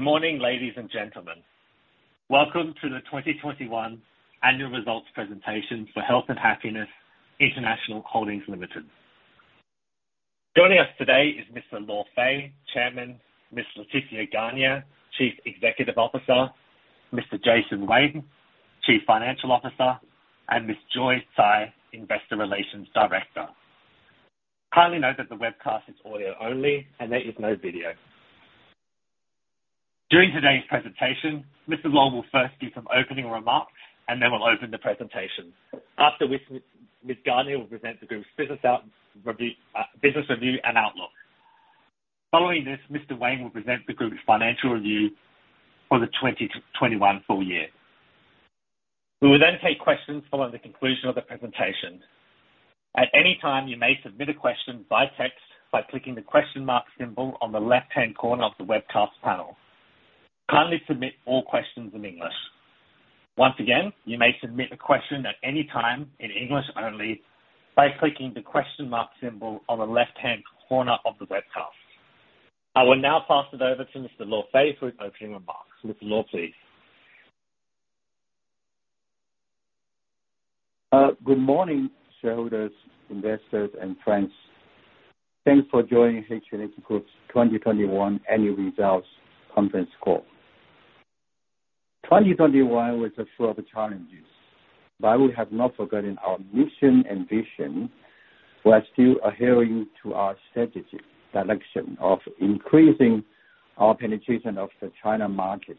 Good morning, ladies and gentlemen. Welcome to the 2021 annual results presentation for Health and Happiness (H&H) International Holdings Limited. Joining us today is Mr. Luo Fei, Chairman, Ms. Laetitia Garnier, Chief Executive Officer, Mr. Jason Wang, Chief Financial Officer, and Ms. Joy Tsai, Investor Relations Director. Kindly note that the webcast is audio only and there is no video. During today's presentation, Mr. Luo will first give some opening remarks, and then we'll open the presentation. After which, Ms. Garnier will present the group's business review and outlook. Following this, Mr. Wang will present the group's financial review for the 2021 full year. We will then take questions following the conclusion of the presentation. At any time you may submit a question by text by clicking the question mark symbol on the left-hand corner of the webcast panel. Kindly submit all questions in English. Once again, you may submit a question at any time in English only by clicking the question mark symbol on the left-hand corner of the webcast. I will now pass it over to Mr. Luo Fei for his opening remarks. Mr. Luo, please. Good morning, shareholders, investors, and friends. Thanks for joining H&H Group's 2021 annual results conference call. 2021 was full of challenges, but we have not forgotten our mission and vision. We are still adhering to our strategic direction of increasing our penetration of the China market,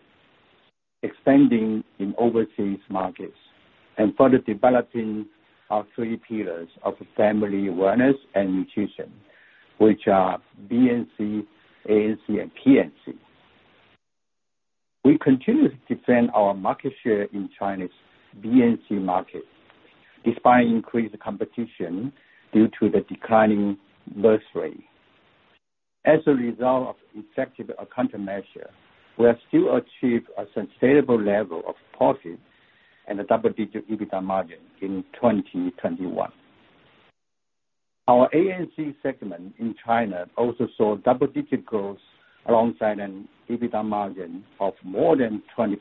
expanding in overseas markets, and further developing our three pillars of family wellness and nutrition, which are BNC, ANC, and PNC. We continue to defend our market share in China's BNC market despite increased competition due to the declining birth rate. As a result of effective countermeasure, we have still achieved a sustainable level of profit and a double-digit EBITDA margin in 2021. Our ANC segment in China also saw double-digit growth alongside an EBITDA margin of more than 20%.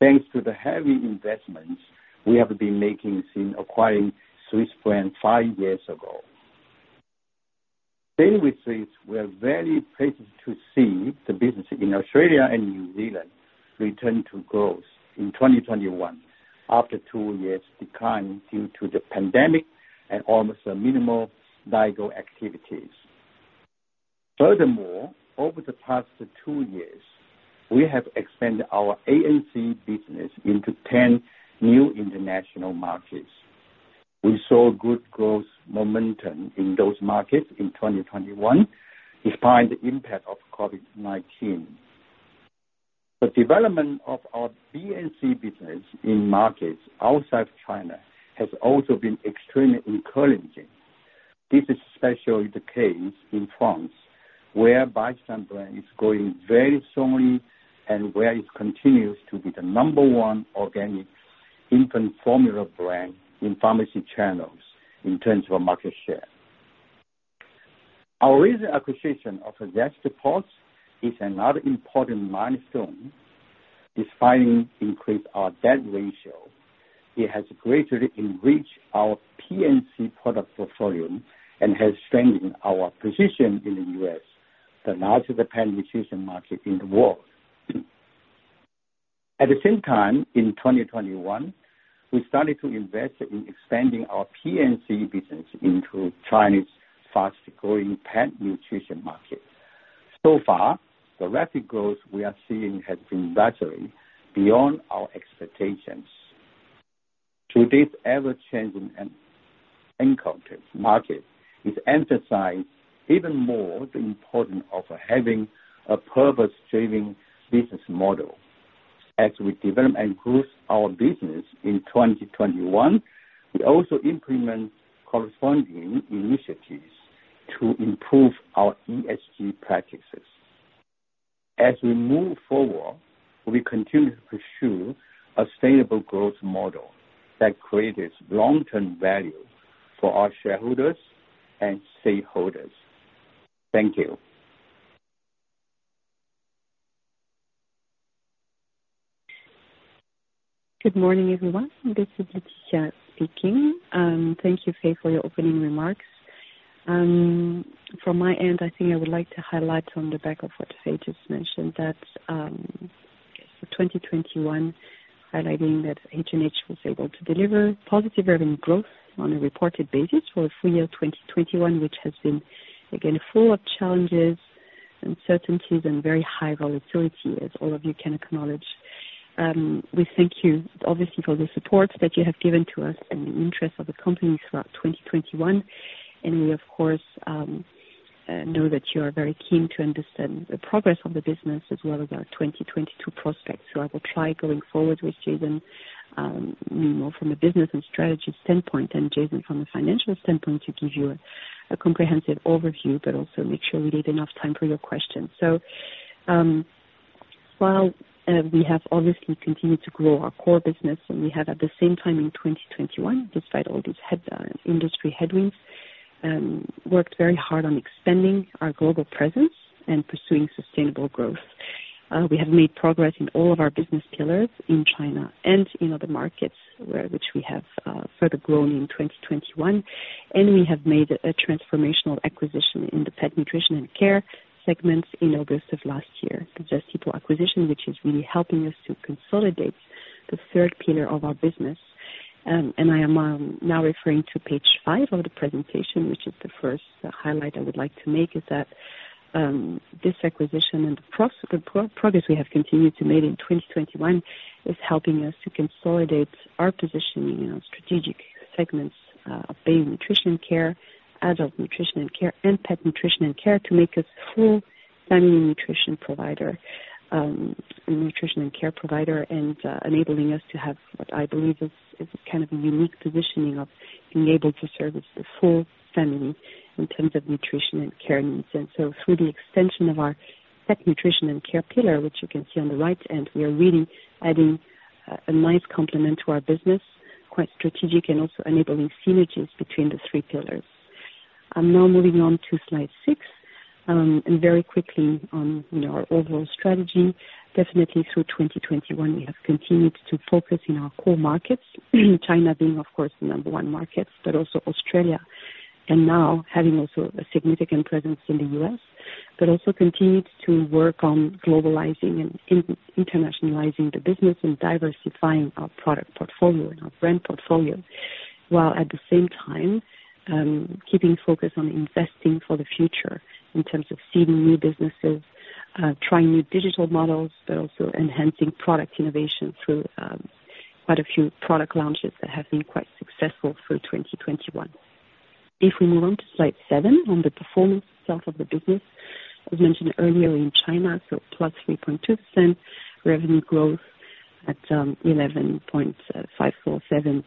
Thanks to the heavy investments we have been making since acquiring Swisse brand five years ago. Daily treats, we're very pleased to see the business in Australia and New Zealand return to growth in 2021 after two years decline due to the pandemic and also minimal legal activities. Furthermore, over the past two years, we have expanded our ANC business into 10 new international markets. We saw good growth momentum in those markets in 2021, despite the impact of COVID-19. The development of our BNC business in markets outside of China has also been extremely encouraging. This is especially the case in France, where Biostime brand is growing very strongly aend where it continues to be the number one organic infant formula brand in pharmacy channels in terms of market share. Our recent acquisition of Zesty Paws is another important milestone. Despite increasing our debt ratio, it has greatly enriched our PNC product portfolio and has strengthened our position in the U.S., the largest pet nutrition market in the world. At the same time, in 2021, we started to invest in expanding our PNC business into China's fast-growing pet nutrition market. So far, the rapid growth we are seeing has been largely beyond our expectations. Today's ever-changing and inconstant market emphasizes even more the importance of having a purpose-driven business model. As we develop and grow our business in 2021, we also implement corresponding initiatives to improve our ESG practices. As we move forward, we continue to pursue a sustainable growth model that creates long-term value for our shareholders and stakeholders. Thank you. Good morning, everyone. This is Laetitia speaking. Thank you, Fei, for your opening remarks. From my end, I think I would like to highlight on the back of what Fei just mentioned, that, I guess for 2021, highlighting that H&H was able to deliver positive revenue growth on a reported basis for full year 2021, which has been again full of challenges, uncertainties, and very high volatility, as all of you can acknowledge. We thank you obviously for the support that you have given to us and the interest of the company throughout 2021. We of course know that you are very keen to understand the progress of the business as well as our 2022 prospects. I will try going forward with Jason, more from a business and strategy standpoint, and Jason from a financial standpoint to give you a comprehensive overview, but also make sure we leave enough time for your questions. Well, we have obviously continued to grow our core business, and we have at the same time in 2021, despite all these industry headwinds, worked very hard on extending our global presence and pursuing sustainable growth. We have made progress in all of our business pillars in China and in other markets where we have further grown in 2021. We have made a transformational acquisition in the pet nutrition and care segments in August of last year. The Zesty Paws acquisition, which is really helping us to consolidate the third pillar of our business. I am now referring to page five of the presentation, which is the first highlight I would like to make, is that this acquisition and the progress we have continued to make in 2021 is helping us to consolidate our positioning in strategic segments of Baby Nutrition and Care, Adult Nutrition and Care, and Pet Nutrition and Care to make us full family nutrition provider, nutrition and care provider, and enabling us to have what I believe is kind of a unique positioning of being able to service the full family in terms of nutrition and care needs. Through the extension of our Pet Nutrition and Care pillar, which you can see on the right, and we are really adding a nice complement to our business, quite strategic and also enabling synergies between the three pillars. I'm now moving on to slide 6. Very quickly on our overall strategy, definitely through 2021, we have continued to focus in our core markets, China being of course the number one market but also Australia. Now having also a significant presence in the U.S., but also continued to work on globalizing and internationalizing the business and diversifying our product portfolio and our brand portfolio, while at the same time, keeping focus on investing for the future in terms of seeding new businesses, trying new digital models, but also enhancing product innovation through quite a few product launches that have been quite successful through 2021. If we move on to slide 7, on the performance itself of the business. As mentioned earlier in China, plus 3.2% revenue growth at 11.547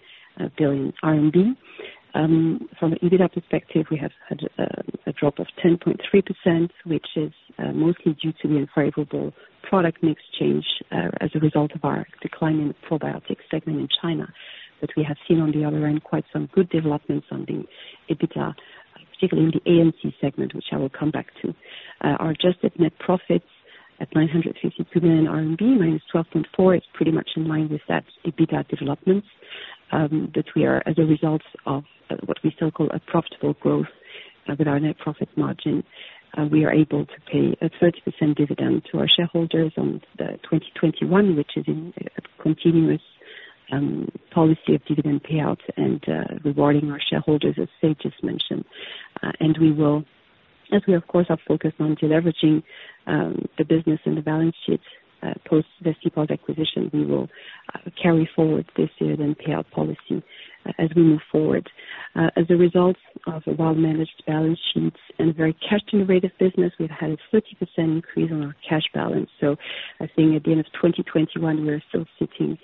billion RMB. From an EBITDA perspective, we have had a drop of 10.3%, which is mostly due to the unfavorable product mix change as a result of our decline in probiotics segment in China. We have seen on the other end quite some good developments on the EBITDA, particularly in the ANC segment, which I will come back to. Our adjusted net profits at 952 million RMB -12.4% is pretty much in line with that EBITDA development, that we are as a result of what we still call a profitable growth with our net profit margin. We are able to pay a 30% dividend to our shareholders in 2021, which is in a continuous policy of dividend payouts and rewarding our shareholders, as Luo Fei just mentioned. We will, as we of course are focused on deleveraging the business and the balance sheet post Zesty Paws acquisition, carry forward this year's payout policy as we move forward. As a result of a well-managed balance sheet and very cash generative business, we've had a 30% increase on our cash balance. I think at the end of 2021, we're still sitting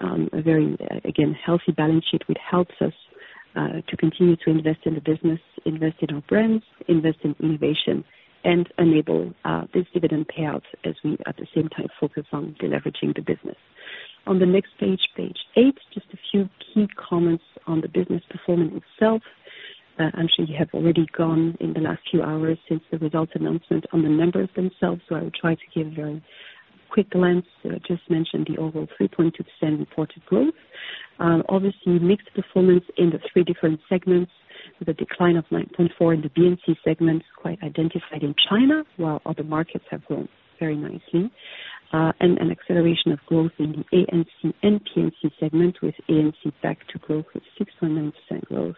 on a very healthy balance sheet, which helps us to continue to invest in the business, invest in our brands, invest in innovation, and enable this dividend payout as we at the same time focus on deleveraging the business. On the next page 8, just a few key comments on the business performance itself. I'm sure you have already dug into the numbers themselves in the last few hours since the results announcement, so I will try to give a quick glance. Just mentioned the overall 3.2% reported growth. Obviously mixed performance in the three different segments with a decline of 9.4% in the BNC segment, primarily in China, while other markets have grown very nicely. an acceleration of growth in the ANC and PNC segment, with ANC back to growth with 6.9% growth,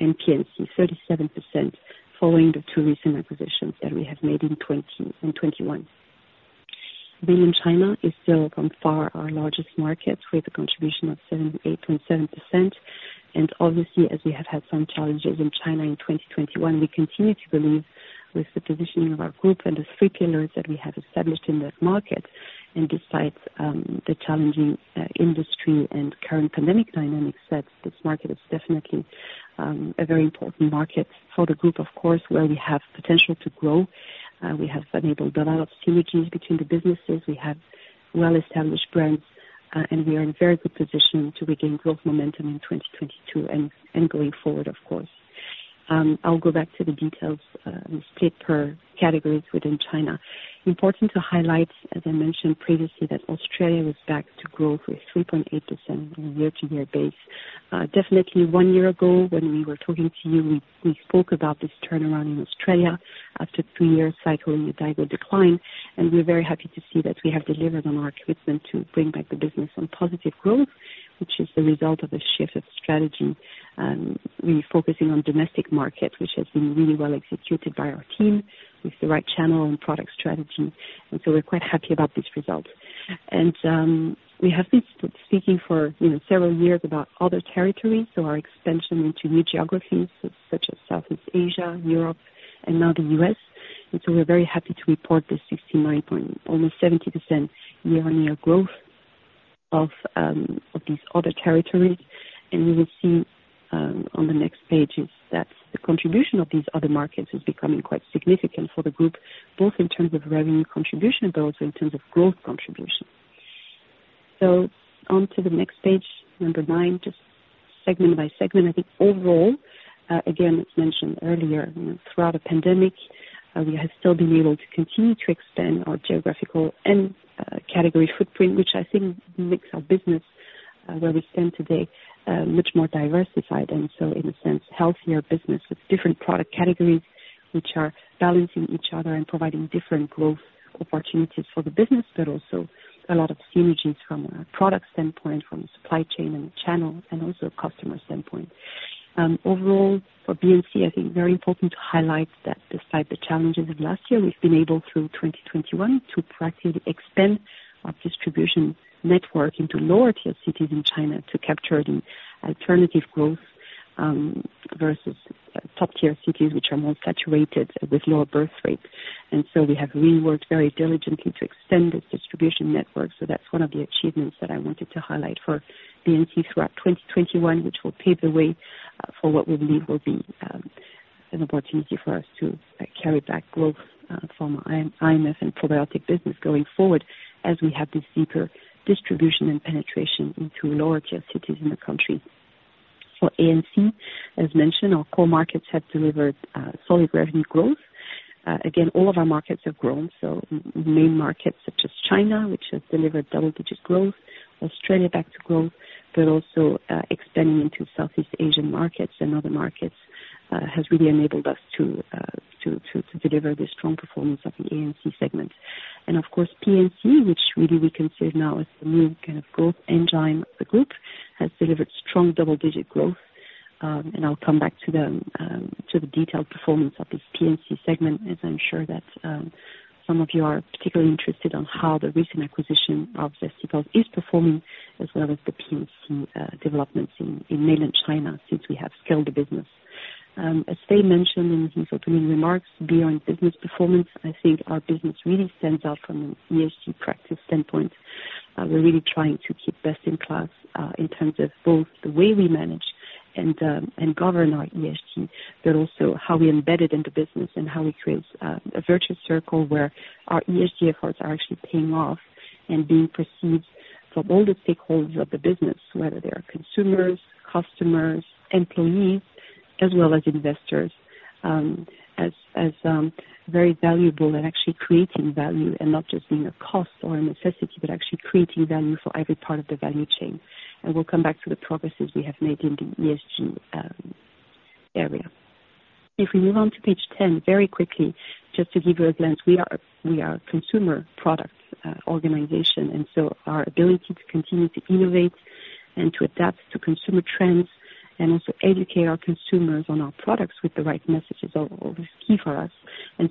and PNC 37% following the two recent acquisitions that we have made in 2020 and 2021. Being in China is still by far our largest market with a contribution of 78.7%. Obviously, as we have had some challenges in China in 2021, we continue to believe with the positioning of our group and the three pillars that we have established in that market. Despite the challenging industry and current pandemic dynamics, that this market is definitely a very important market for the group, of course, where we have potential to grow. We have enabled a lot of synergies between the businesses. We have well-established brands, and we are in very good position to regain growth momentum in 2022 and going forward of course. I'll go back to the details, stated per categories within China. Important to highlight, as I mentioned previously, that Australia was back to growth with 3.8% year-over-year basis. Definitely one year ago when we were talking to you, we spoke about this turnaround in Australia after three-year cycle in the diaper decline, and we're very happy to see that we have delivered on our commitment to bring back the business on positive growth, which is the result of a shift of strategy, really focusing on domestic market, which has been really well executed by our team with the right channel and product strategy. We're quite happy about this result. We have been speaking for, you know, several years about other territories, so our expansion into new geographies such as Southeast Asia, Europe, and now the U.S. We're very happy to report this 69%, almost 70% year-on-year growth of these other territories. You will see on the next page that the contribution of these other markets is becoming quite significant for the group, both in terms of revenue contribution, but also in terms of growth contribution. On to the next page, number 9, just segment by segment. I think overall, again, as mentioned earlier, you know, throughout the pandemic, we have still been able to continue to extend our geographical and category footprint, which I think makes our business, where we stand today, much more diversified, and so in a sense, healthier business with different product categories which are balancing each other and providing different growth opportunities for the business, but also a lot of synergies from a product standpoint, from a supply chain and channel and also customer standpoint. Overall for BNC, I think very important to highlight that despite the challenges of last year, we've been able, through 2021 to practically expand our distribution network into lower tier cities in China to capture the alternative growth, versus top tier cities which are more saturated with lower birth rates. We have really worked very diligently to extend this distribution network. That's one of the achievements that I wanted to highlight for BNC throughout 2021, which will pave the way for what we believe will be an opportunity for us to capture growth from our IMF and probiotic business going forward as we have this deeper distribution and penetration into lower-tier cities in the country. For ANC, as mentioned, our core markets have delivered solid revenue growth. Again, all of our markets have grown, main markets such as China, which has delivered double-digit growth, Australia back to growth, but also expanding into Southeast Asian markets and other markets has really enabled us to deliver the strong performance of the ANC segment. Of course, PNC, which really we consider now as the new kind of growth engine of the group, has delivered strong double-digit growth. I'll come back to the detailed performance of this PNC segment, as I'm sure that some of you are particularly interested in how the recent acquisition of Zesty Paws is performing, as well as the PNC developments in mainland China since we have scaled the business. As Luo Fei mentioned in his opening remarks, beyond business performance, I think our business really stands out from an ESG practice standpoint. We're really trying to keep best in class in terms of both the way we manage and govern our ESG, but also how we embed it in the business and how we create a virtuous circle where our ESG efforts are actually paying off and being perceived from all the stakeholders of the business, whether they are consumers, customers, employees, as well as investors, as very valuable and actually creating value and not just being a cost or a necessity, but actually creating value for every part of the value chain. We'll come back to the progresses we have made in the ESG area. If we move on to page 10 very quickly, just to give you a glance. We are a consumer product organization, and our ability to continue to innovate and to adapt to consumer trends and also educate our consumers on our products with the right messages are key for us.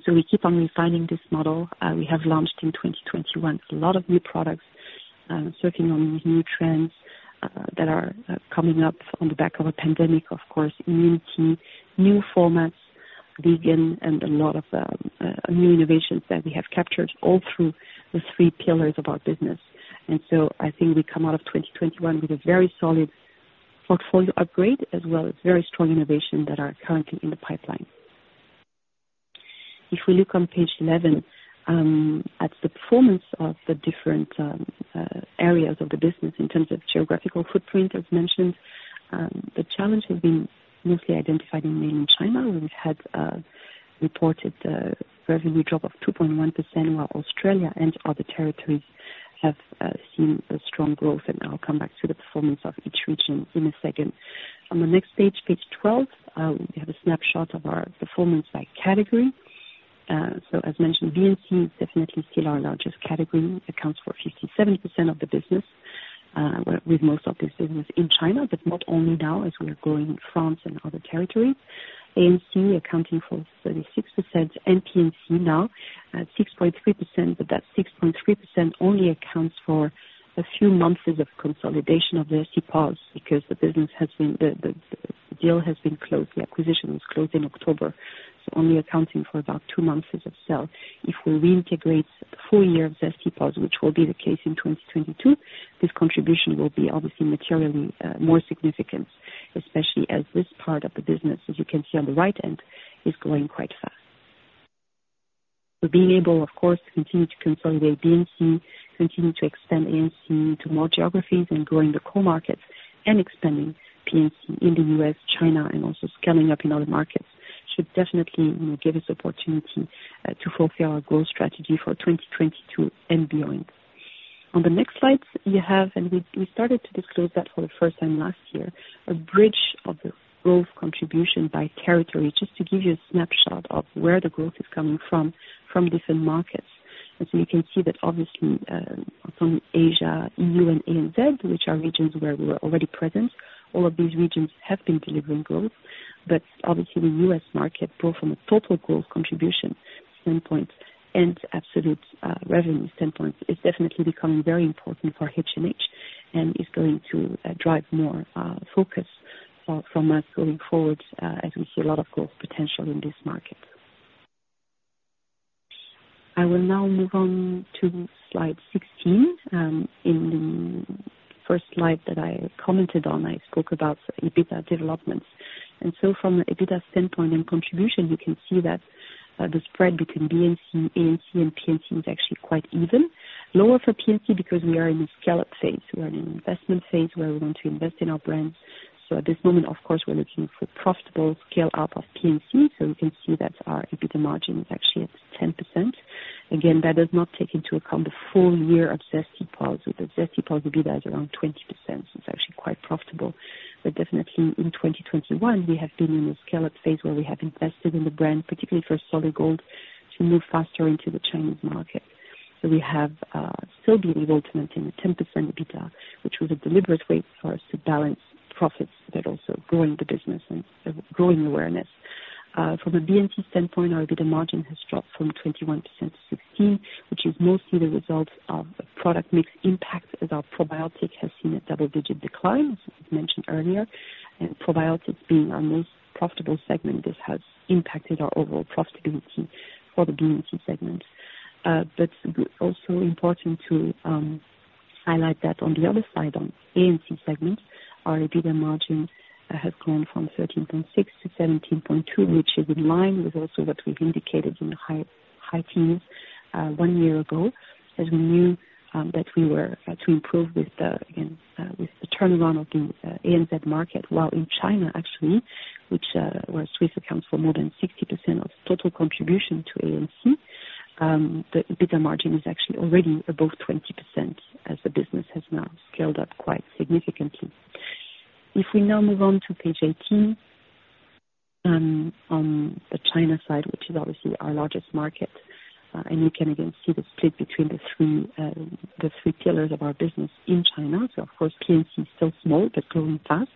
We keep on refining this model. We have launched in 2021 a lot of new products, surfing on these new trends that are coming up on the back of a pandemic, of course, immunity, new formats, vegan and a lot of new innovations that we have captured all through the three pillars of our business. I think we come out of 2021 with a very solid portfolio upgrade as well as very strong innovation that are currently in the pipeline. If we look on page 11 at the performance of the different areas of the business in terms of geographical footprint, as mentioned, the challenge has been mostly identified in mainland China, where we've had reported a revenue drop of 2.1%, while Australia and other territories have seen a strong growth. I'll come back to the performance of each region in a second. On the next page 12, we have a snapshot of our performance by category. As mentioned, BNC is definitely still our largest category, accounts for 57% of the business, with most of this business in China, but not only now, as we are growing in France and other territories. ANC accounting for 36%, and PNC now at 6.3%, but that 6.3% only accounts for a few months of consolidation of Zesty Paws because the deal has been closed, the acquisition was closed in October, so only accounting for about two months as of now. If we reintegrate the full year of Zesty Paws, which will be the case in 2022, this contribution will be obviously materially more significant, especially as this part of the business, as you can see on the right end, is growing quite fast. Being able, of course, to continue to consolidate BNC, continue to expand ANC into more geographies and growing the core markets and expanding PNC in the U.S., China and also scaling up in other markets should definitely give us opportunity to fulfill our growth strategy for 2022 and beyond. On the next slides, we started to disclose that for the first time last year, a bridge of the growth contribution by territory, just to give you a snapshot of where the growth is coming from different markets. You can see that obviously, from Asia, EU and ANZ, which are regions where we're already present, all of these regions have been delivering growth. Obviously the U.S. market growth from a total growth contribution standpoint and absolute revenue standpoint is definitely becoming very important for H&H and is going to drive more focus from us going forward as we see a lot of growth potential in this market. I will now move on to slide 16. In the first slide that I commented on, I spoke about EBITDA developments. From an EBITDA standpoint and contribution, you can see that the spread between BNC, ANC, and PNC is actually quite even, lower for PNC because we are in the scale-up phase. We are in an investment phase where we want to invest in our brands. At this moment, of course, we're looking for profitable scale-up of PNC. We can see that our EBITDA margin is actually at 10%. Again, that does not take into account the full year of Zesty Paws. With the Zesty Paws, EBITDA is around 20%. It's actually quite profitable. Definitely in 2021, we have been in a scale-up phase where we have invested in the brand, particularly for Solid Gold, to move faster into the Chinese market. We have still been able to maintain a 10% EBITDA, which was a deliberate way for us to balance profits but also growing the business and growing awareness. From a BNC standpoint, our EBITDA margin has dropped from 21% to 16%, which is mostly the result of product mix impact, as our probiotic has seen a double-digit decline, as mentioned earlier. Probiotics being our most profitable segment, this has impacted our overall profitability for the BNC segment. Also important to highlight that on the other side, on ANC segment, our EBITDA margin has gone from 13.6% to 17.2%, which is in line with also what we've indicated in the high teens one year ago, as we knew that we were to improve again with the turnaround of the ANZ market, while in China actually, which where Swisse accounts for more than 60% of total contribution to ANC, the EBITDA margin is actually already above 20% as the business has now scaled up quite significantly. If we now move on to page 18, on the China side, which is obviously our largest market, and you can again see the split between the three pillars of our business in China. Of course, PNC is still small, but growing fast.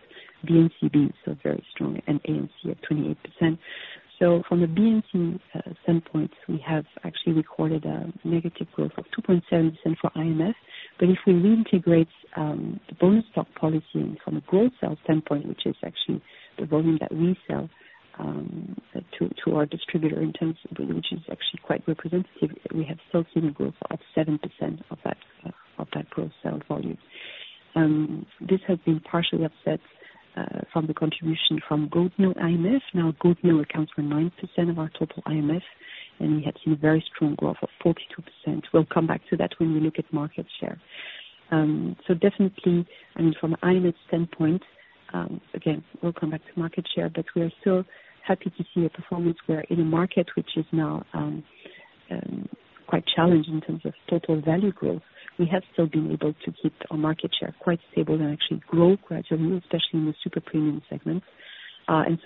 BNC being still very strong and ANC at 28%. From a BNC standpoint, we have actually recorded a negative growth of 2.7% for IMF. But if we reintegrate the bonus stock policy from a gross sales standpoint, which is actually the volume that we sell to our distributor in terms of which is actually quite representative, we have still seen a growth of 7% of that gross sales volume. This has been partially offset from the contribution from goat milk IMF. Now, goat milk accounts for 9% of our total IMF, and we have seen very strong growth of 42%. We'll come back to that when we look at market share. Definitely, I mean, from an IMF standpoint, again, we'll come back to market share, but we are still happy to see a performance where in a market which is now quite challenged in terms of total value growth, we have still been able to keep our market share quite stable and actually grow gradually, especially in the super premium segment.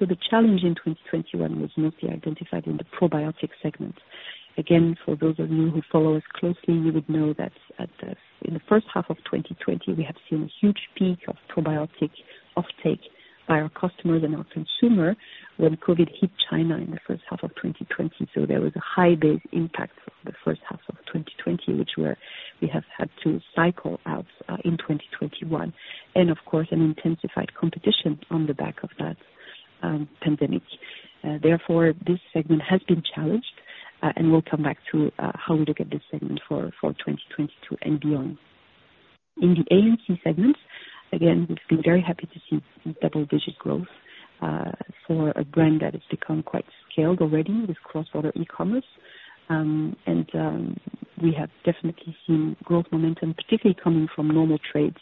The challenge in 2021 was mostly identified in the probiotic segment. Again, for those of you who follow us closely, you would know that in the first half of 2020, we have seen a huge peak of probiotic offtake by our customers and our consumer when COVID hit China in the first half of 2020. There was a high base impact for the first half of 2020, which we have had to cycle out in 2021, and of course, an intensified competition on the back of that pandemic. Therefore, this segment has been challenged, and we'll come back to how we look at this segment for 2022 and beyond. In the ANC segment, again, we've been very happy to see double-digit growth for a brand that has become quite scaled already with cross-border e-commerce. We have definitely seen growth momentum, particularly coming from normal trades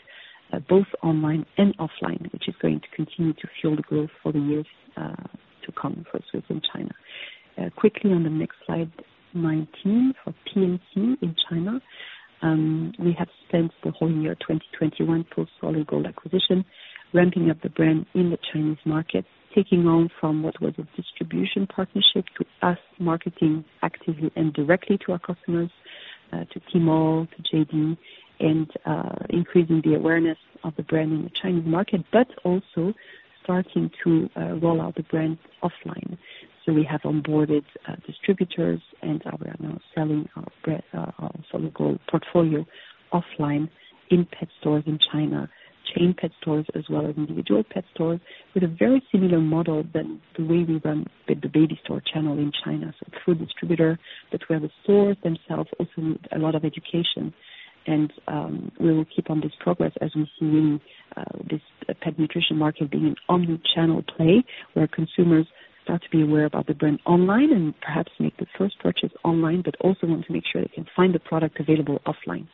both online and offline, which is going to continue to fuel the growth for the years to come for Swisse in China. Quickly on the next slide, 19, for PNC in China, we have spent the whole year 2021 post Solid Gold acquisition, ramping up the brand in the Chinese market, taking on from what was a distribution partnership to us marketing actively and directly to our customers, to Tmall, to JD, and increasing the awareness of the brand in the Chinese market, but also starting to roll out the brand offline. We have onboarded distributors, and we are now selling our Solid Gold portfolio offline in pet stores in China, chain pet stores as well as individual pet stores, with a very similar model than the way we run the baby store channel in China. Through a distributor, but where the stores themselves also need a lot of education. We will keep on this progress as we're seeing this pet nutrition market being an omni-channel play, where consumers start to be aware about the brand online and perhaps make the first purchase online, but also want to make sure they can find the product available offline.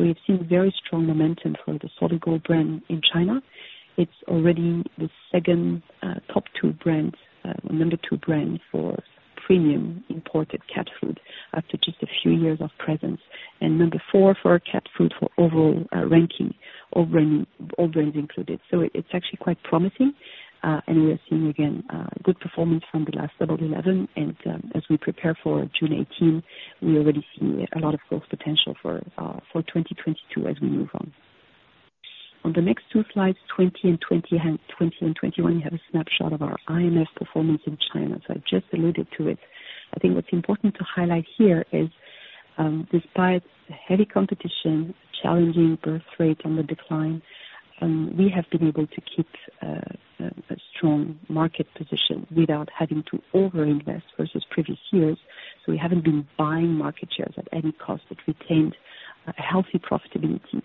We've seen very strong momentum for the Solid Gold brand in China. It's already the second top two brands number 2 brand for premium imported cat food after just a few years of presence. Number 4 for cat food for overall ranking all brands included. It's actually quite promising. We are seeing again good performance from the last Double Eleven and as we prepare for June eighteenth we already see a lot of growth potential for 2022 as we move on. On the next two slides, 2020 and 2021, you have a snapshot of our IMF performance in China, so I just alluded to it. I think what's important to highlight here is, despite heavy competition, challenging birth rate and the decline, we have been able to keep a strong market position without having to overinvest versus previous years. We haven't been buying market shares at any cost. We've retained a healthy profitability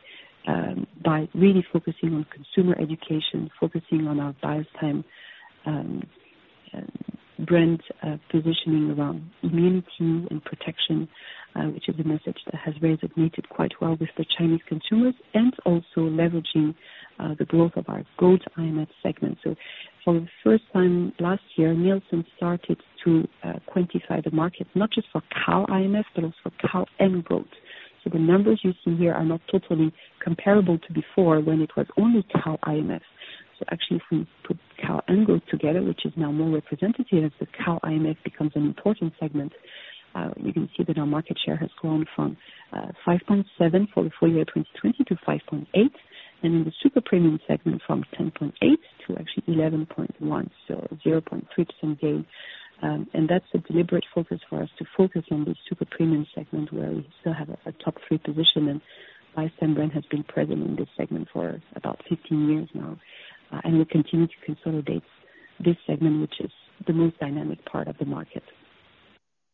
by really focusing on consumer education, focusing on our Biostime brand positioning around immunity and protection, which is a message that has resonated quite well with the Chinese consumers and also leveraging the growth of our goat IMF segment. For the first time last year, Nielsen started to quantify the market, not just for cow IMF, but also for cow and goat. The numbers you see here are not totally comparable to before when it was only cow IMF. Actually, if we put cow and goat together, which is now more representative, the cow IMF becomes an important segment. You can see that our market share has grown from 5.7 for the full year 2020 to 5.8, and in the super premium segment from 10.8 to actually 11.1, so a 0.3% gain. That's a deliberate focus for us to focus on the super premium segment where we still have a top three position, and Biostime brand has been present in this segment for about 15 years now. We'll continue to consolidate this segment, which is the most dynamic part of the market.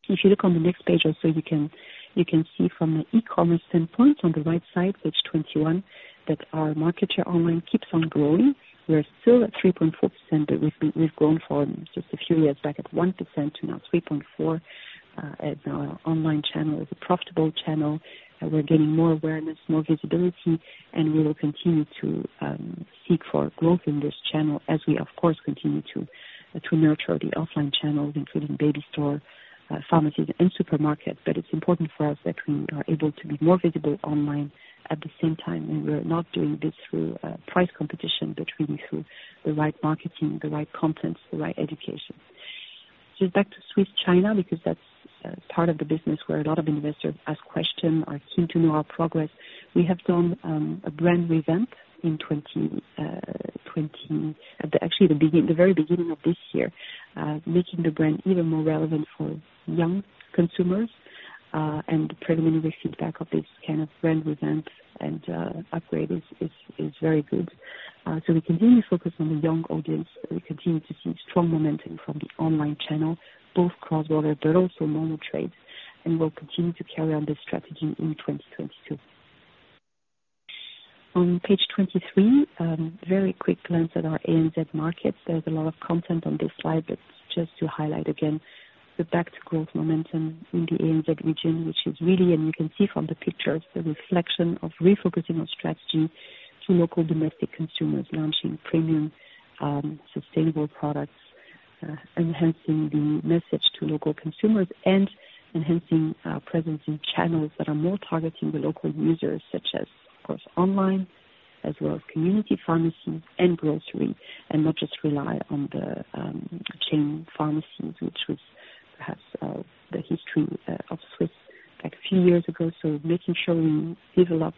If you look on the next page also, you can see from an e-commerce standpoint on the right side, page 21, that our market share online keeps on growing. We are still at 3.4%, but we've grown from just a few years back at 1% to now 3.4%. As our online channel is a profitable channel, we're getting more awareness, more visibility, and we will continue to seek for growth in this channel as we of course continue to nurture the offline channels, including baby stores, pharmacies and supermarkets. But it's important for us that we are able to be more visible online at the same time, and we're not doing this through price competition, but really through the right marketing, the right content, the right education. Back to Swisse China, because that's part of the business where a lot of investors ask questions are keen to know our progress. We have done a brand revamp. Actually the very beginning of this year, making the brand even more relevant for young consumers, and the preliminary feedback of this kind of brand revamp and upgrade is very good. We continue to focus on the young audience. We continue to see strong momentum from the online channel, both cross-border but also normal trades, and we'll continue to carry on this strategy in 2022. On page 23, very quick glance at our ANZ markets. There's a lot of content on this slide, but just to highlight again the back to growth momentum in the ANZ region, which is really, and you can see from the pictures, the reflection of refocusing our strategy to local domestic consumers, launching premium, sustainable products, enhancing the message to local consumers and enhancing our presence in channels that are more targeting the local users such as, of course, online as well as community pharmacies and grocery, and not just rely on the, chain pharmacies, which was perhaps, the history, of Swisse like a few years ago. Making sure we develop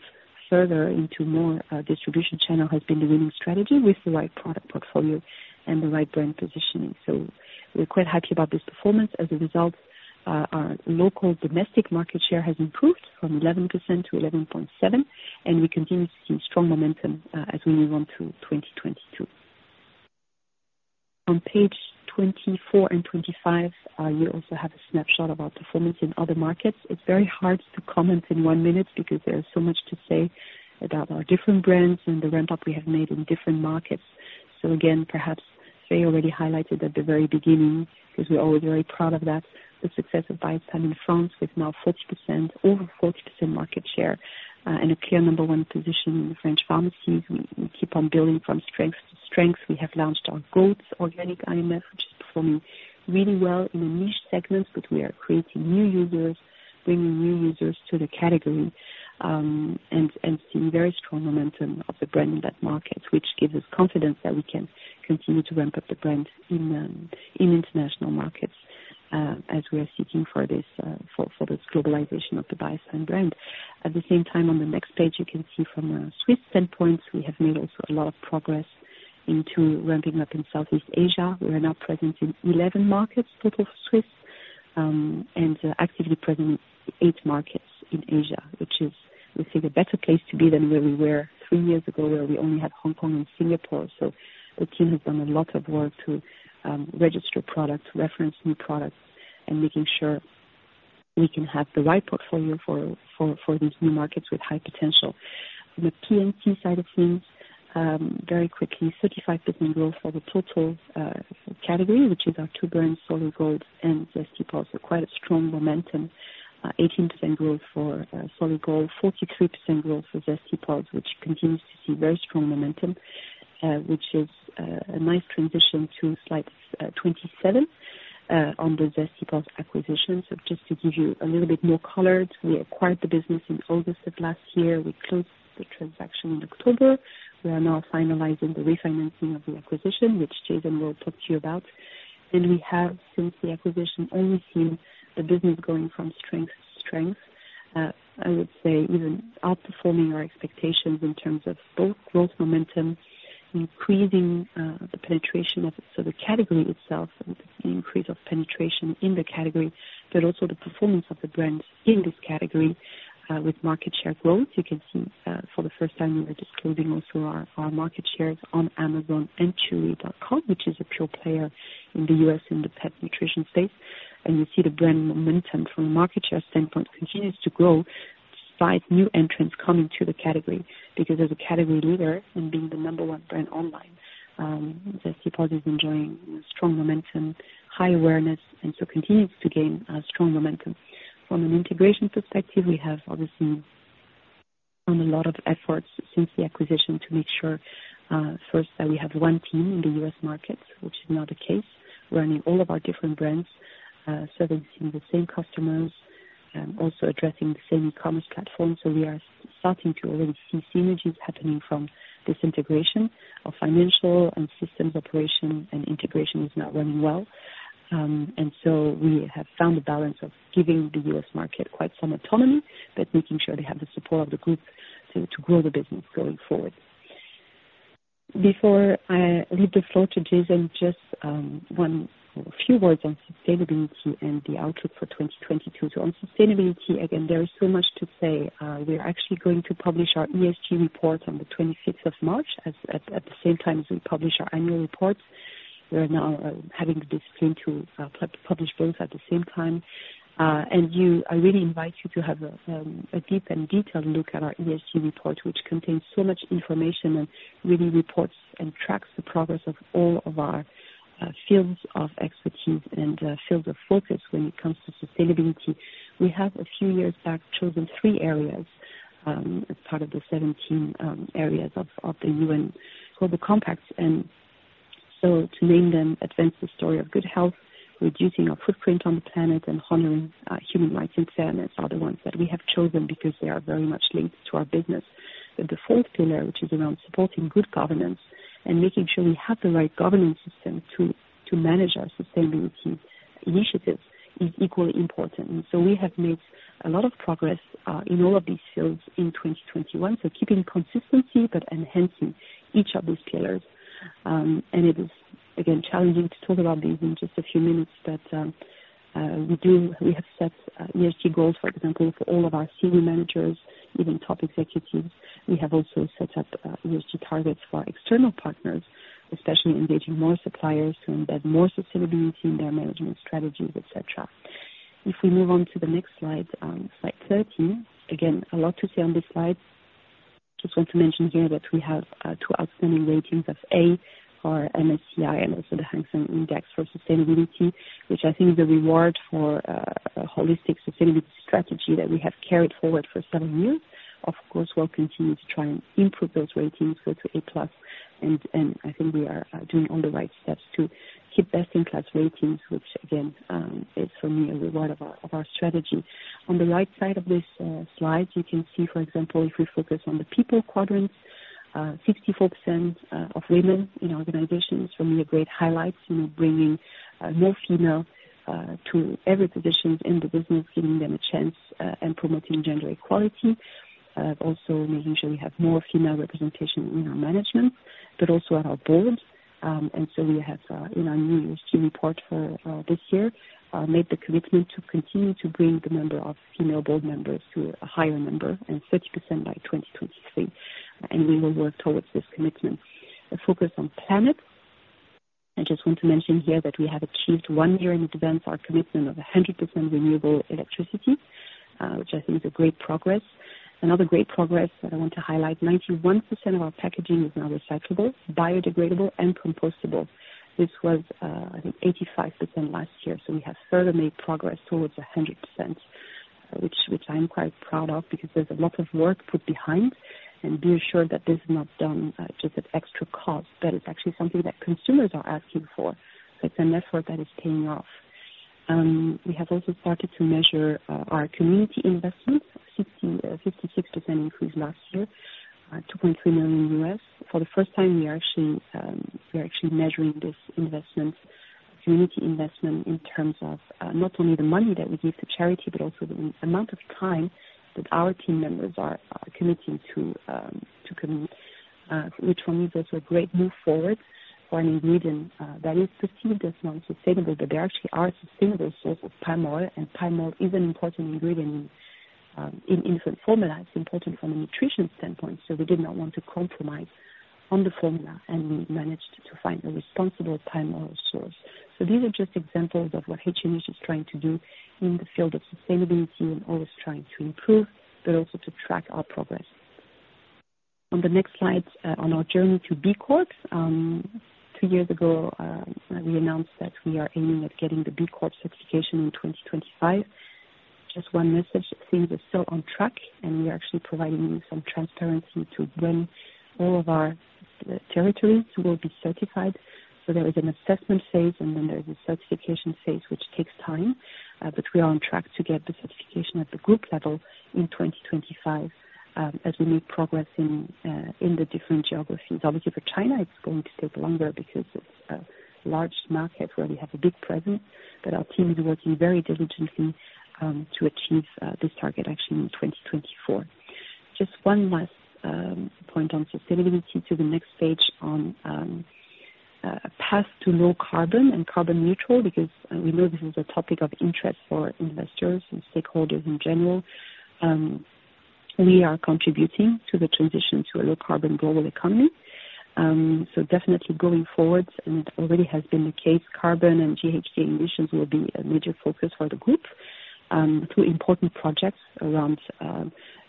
further into more, distribution channel has been the winning strategy with the right product portfolio and the right brand positioning. We're quite happy about this performance. As a result, our local domestic market share has improved from 11% to 11.7%, and we continue to see strong momentum as we move on to 2022. On page 24 and 25, you also have a snapshot of our performance in other markets. It's very hard to comment in 1 minute because there is so much to say about our different brands and the ramp up we have made in different markets. Again, perhaps Fei already highlighted at the very beginning, because we're all very proud of that, the success of Biostime in France with now 40%, over 40% market share, and a clear number one position in French pharmacies. We keep on building from strength to strength. We have launched our goats organic IMF, which is performing really well in the niche segments, but we are creating new users, bringing new users to the category, and seeing very strong momentum of the brand in that market, which gives us confidence that we can continue to ramp up the brand in international markets, as we are seeking for this globalization of the Biostime brand. At the same time, on the next page, you can see from a Swisse standpoint, we have made also a lot of progress into ramping up in Southeast Asia. We are now present in 11 markets, total Swisse, and actively present in 8 markets in Asia, which is we think a better place to be than where we were 3 years ago, where we only had Hong Kong and Singapore. The team has done a lot of work to register products, reference new products, and making sure we can have the right portfolio for these new markets with high potential. The PNC side of things, very quickly, 35% growth for the total category, which is our two brands, Solid Gold and Zesty Paws, so quite a strong momentum. Eighteen percent growth for Solid Gold, 43% growth for Zesty Paws, which continues to see very strong momentum, which is a nice transition to slide 27 on the Zesty Paws acquisition. Just to give you a little bit more color, we acquired the business in August of last year. We closed the transaction in October. We are now finalizing the refinancing of the acquisition, which Jason will talk to you about. We have, since the acquisition, only seen the business going from strength to strength. I would say even outperforming our expectations in terms of both growth momentum increasing, the penetration of so the category itself, an increase of penetration in the category, but also the performance of the brands in this category, with market share growth. You can see, for the first time we are disclosing also our market shares on amazon.com and chewy.com, which is a pure player in the U.S. in the pet nutrition space. You see the brand momentum from a market share standpoint continues to grow despite new entrants coming to the category, because as a category leader and being the number one brand online, Zesty Paws is enjoying strong momentum, high awareness, and so continues to gain strong momentum. From an integration perspective, we have obviously done a lot of efforts since the acquisition to make sure, first, that we have one team in the U.S. markets, which is now the case, running all of our different brands, servicing the same customers, also addressing the same e-commerce platform. We are starting to already see synergies happening from this integration. Our financial and systems operation and integration is now running well. We have found a balance of giving the U.S. market quite some autonomy, but making sure they have the support of the group so to grow the business going forward. Before I leave the floor to Jason, just, a few words on sustainability and the outlook for 2022. On sustainability, again, there is so much to say. We're actually going to publish our ESG report on the twenty-sixth of March at the same time as we publish our annual reports. We are now having the discipline to publish both at the same time. I really invite you to have a deep and detailed look at our ESG report, which contains so much information and really reports and tracks the progress of all of our fields of expertise and fields of focus when it comes to sustainability. We have a few years back chosen three areas as part of the 17 areas of the UN Global Compact. To name them, advance the story of good health, reducing our footprint on the planet, and honoring human rights and fairness are the ones that we have chosen because they are very much linked to our business. The fourth pillar, which is around supporting good governance and making sure we have the right governance system to manage our sustainability initiatives is equally important. We have made a lot of progress in all of these fields in 2021. Keeping consistency but enhancing each of those pillars. It is again challenging to talk about these in just a few minutes. We have set ESG goals, for example, for all of our senior managers, even top executives. We have also set up ESG targets for our external partners, especially engaging more suppliers to embed more sustainability in their management strategies, et cetera. If we move on to the next slide 13. Again, a lot to see on this slide. Just want to mention here that we have two outstanding ratings of A for MSCI and also the Hang Seng Corporate Sustainability Index, which I think is a reward for a holistic sustainability strategy that we have carried forward for seven years. Of course, we'll continue to try and improve those ratings, go to A plus, and I think we are doing all the right steps to keep best in class ratings, which again is for me a reward of our strategy. On the right side of this slide, you can see for example, if we focus on the people quadrant, 64% of women in our organization is for me a great highlight in bringing more female to every positions in the business, giving them a chance and promoting gender equality. Also we usually have more female representation in our management but also on our board. We have in our new ESG report for this year made the commitment to continue to bring the number of female board members to a higher number and 30% by 2023, and we will work towards this commitment. A focus on planet. I just want to mention here that we have achieved one year in advance our commitment of 100% renewable electricity, which I think is a great progress. Another great progress that I want to highlight, 91% of our packaging is now recyclable, biodegradable, and compostable. This was, I think 85% last year, so we have further made progress towards 100%, which I am quite proud of because there's a lot of work put behind. Be assured that this is not done just at extra cost, that it's actually something that consumers are asking for. It's an effort that is paying off. We have also started to measure our community investments, 56% increase last year, $2.3 million. For the first time we are actually measuring this investment, community investment in terms of not only the money that we give to charity, but also the amount of time that our team members are committing to, which for me is also a great move forward for an ingredient that is perceived as non-sustainable, but they actually are a sustainable source of palm oil. Palm oil is an important ingredient in infant formula. It's important from a nutrition standpoint, so we did not want to compromise on the formula, and we managed to find a responsible palm oil source. These are just examples of what H&H is trying to do in the field of sustainability and always trying to improve but also to track our progress. On the next slide, on our journey to B Corp. Two years ago, we announced that we are aiming at getting the B Corp certification in 2025. Just one message, it seems it's still on track and we are actually providing some transparency to when all of our territories will be certified. There is an assessment phase and then there is a certification phase, which takes time, but we are on track to get the certification at the group level in 2025, as we make progress in the different geographies. Obviously for China, it's going to take longer because it's a large market where we have a big presence, but our team is working very diligently to achieve this target actually in 2024. Just one last point on sustainability to the next page on path to low carbon and carbon neutral because we know this is a topic of interest for investors and stakeholders in general. We are contributing to the transition to a low carbon global economy. Definitely going forward, and it already has been the case, carbon and GHG emissions will be a major focus for the group, two important projects around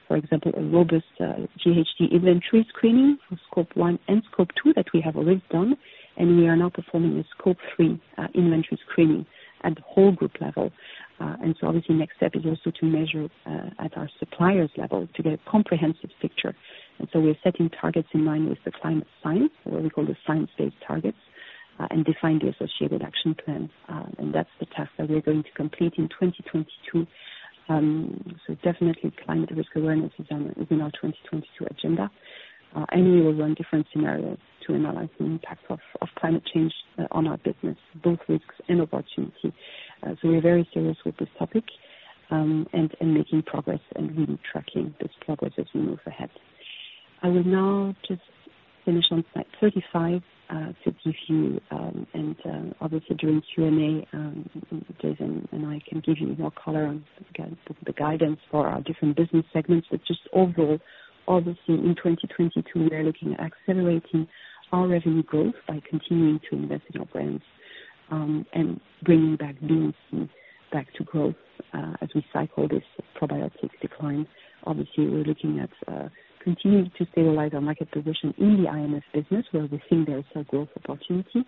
for example, a robust GHG inventory screening for Scope 1 and Scope 2 that we have already done, and we are now performing a Scope 3 inventory screening at the whole group level. Obviously next step is also to measure at our suppliers level to get a comprehensive picture. We're setting targets in line with the climate science, or what we call the Science Based Targets, and define the associated action plans. That's the task that we are going to complete in 2022. Definitely climate risk awareness is in our 2022 agenda. We will run different scenarios to analyze the impact of climate change on our business, both risks and opportunity. We are very serious with this topic, and making progress and really tracking this progress as we move ahead. I will now just finish on slide 35 to give you and obviously during Q&A, Jason and I can give you more color on again the guidance for our different business segments. Just overall, obviously in 2022, we are looking at accelerating our revenue growth by continuing to invest in our brands, and bringing BNC back to growth, as we cycle this probiotics decline. Obviously, we're looking at continuing to stabilize our market position in the IMF business where we think there is a growth opportunity.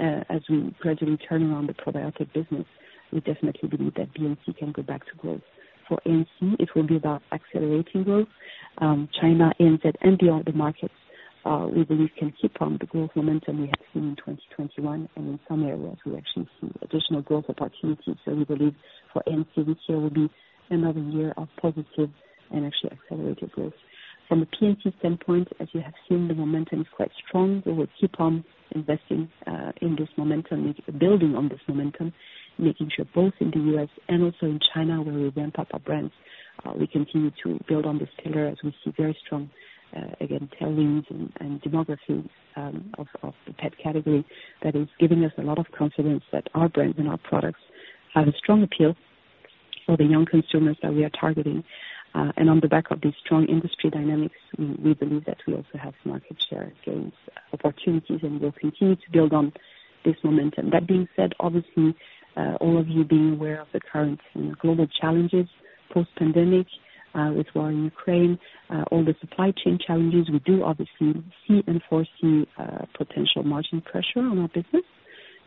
As we gradually turn around the probiotic business, we definitely believe that BNC can go back to growth. For ANC, it will be about accelerating growth in China, ANZ and beyond the markets, we believe can keep on the growth momentum we have seen in 2021, and in some areas we actually see additional growth opportunities. We believe for ANC, this year will be another year of positive and actually accelerated growth. From a PNC standpoint, as you have seen, the momentum is quite strong. We will keep on investing in this momentum, building on this momentum, making sure both in the U.S. and also in China, where we ramp up our brands, we continue to build on this tailwind as we see very strong, again, tailwinds and demographics of the pet category that is giving us a lot of confidence that our brands and our products have a strong appeal for the young consumers that we are targeting. On the back of these strong industry dynamics, we believe that we also have market share gains opportunities and will continue to build on this momentum. That being said, obviously, all of you being aware of the current global challenges, post-pandemic, with war in Ukraine, all the supply chain challenges, we do obviously see and foresee potential margin pressure on our business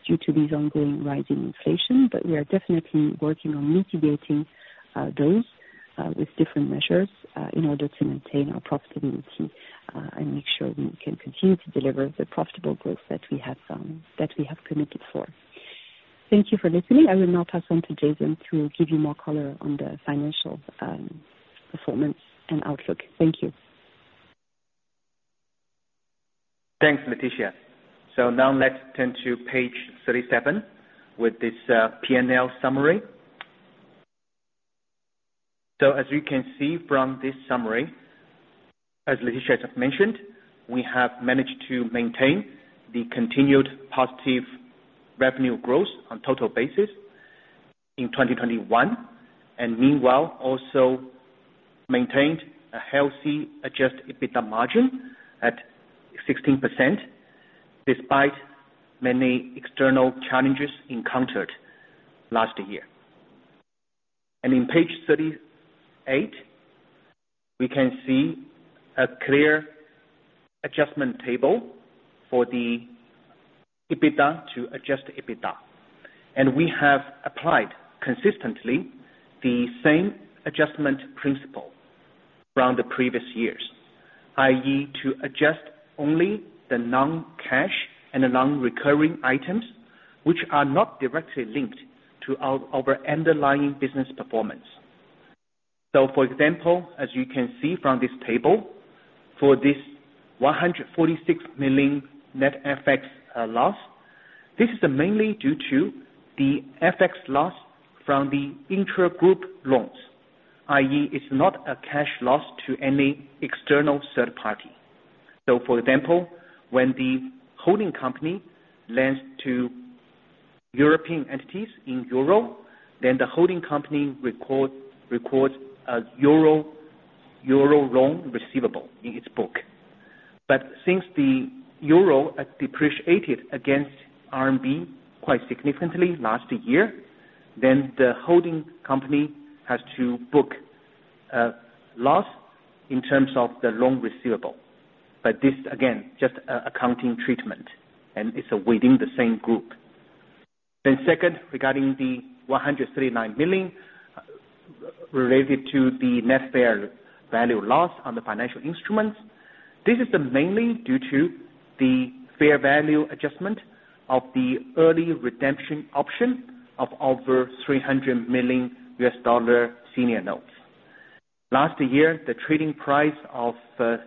due to these ongoing rising inflation. But we are definitely working on mitigating those with different measures in order to maintain our profitability and make sure we can continue to deliver the profitable growth that we have committed for. Thank you for listening. I will now pass on to Jason to give you more color on the financial performance and outlook. Thank you. Thanks, Laetitia. Now let's turn to page 37 with this, PNL summary. As you can see from this summary, as Laetitia has mentioned, we have managed to maintain the continued positive revenue growth on total basis in 2021, and meanwhile also maintained a healthy adjusted EBITDA margin at 16% despite many external challenges encountered last year. In page 38, we can see a clear adjustment table for the EBITDA to adjust EBITDA. We have applied consistently the same adjustment principle around the previous years, i.e., to adjust only the non-cash and the non-recurring items which are not directly linked to our underlying business performance. For example, as you can see from this table, for this 146 million net FX loss, this is mainly due to the FX loss from the intra-group loans, i.e., it's not a cash loss to any external third party. For example, when the holding company lends to European entities in euro, then the holding company records a euro loan receivable in its book. Since the euro depreciated against RMB quite significantly last year, then the holding company has to book loss in terms of the loan receivable. This again, just an accounting treatment, and it's within the same group. Second, regarding the 139 million related to the net fair value loss on the financial instruments, this is mainly due to the fair value adjustment of the early redemption option of over $300 million US dollar senior notes. Last year, the trading price of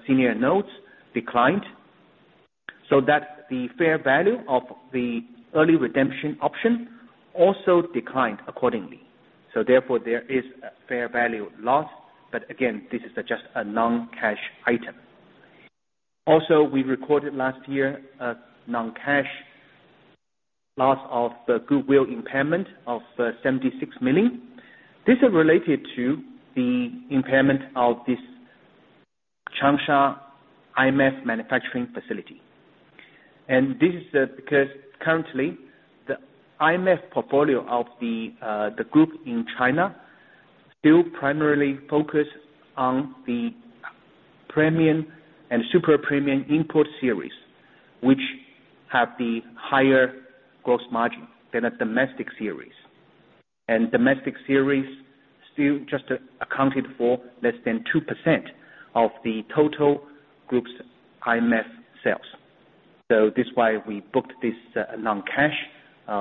senior notes declined, so that the fair value of the early redemption option also declined accordingly. Therefore, there is a fair value loss, but again, this is just a non-cash item. Also, we recorded last year a non-cash loss of the goodwill impairment of 76 million. This is related to the impairment of this Changsha IMF manufacturing facility. This is because currently, the IMF portfolio of the group in China still primarily focus on the premium and super premium infant series, which have the higher gross margin than a domestic series. Domestic series still just accounted for less than 2% of the total group's IMF sales. That's why we booked this non-cash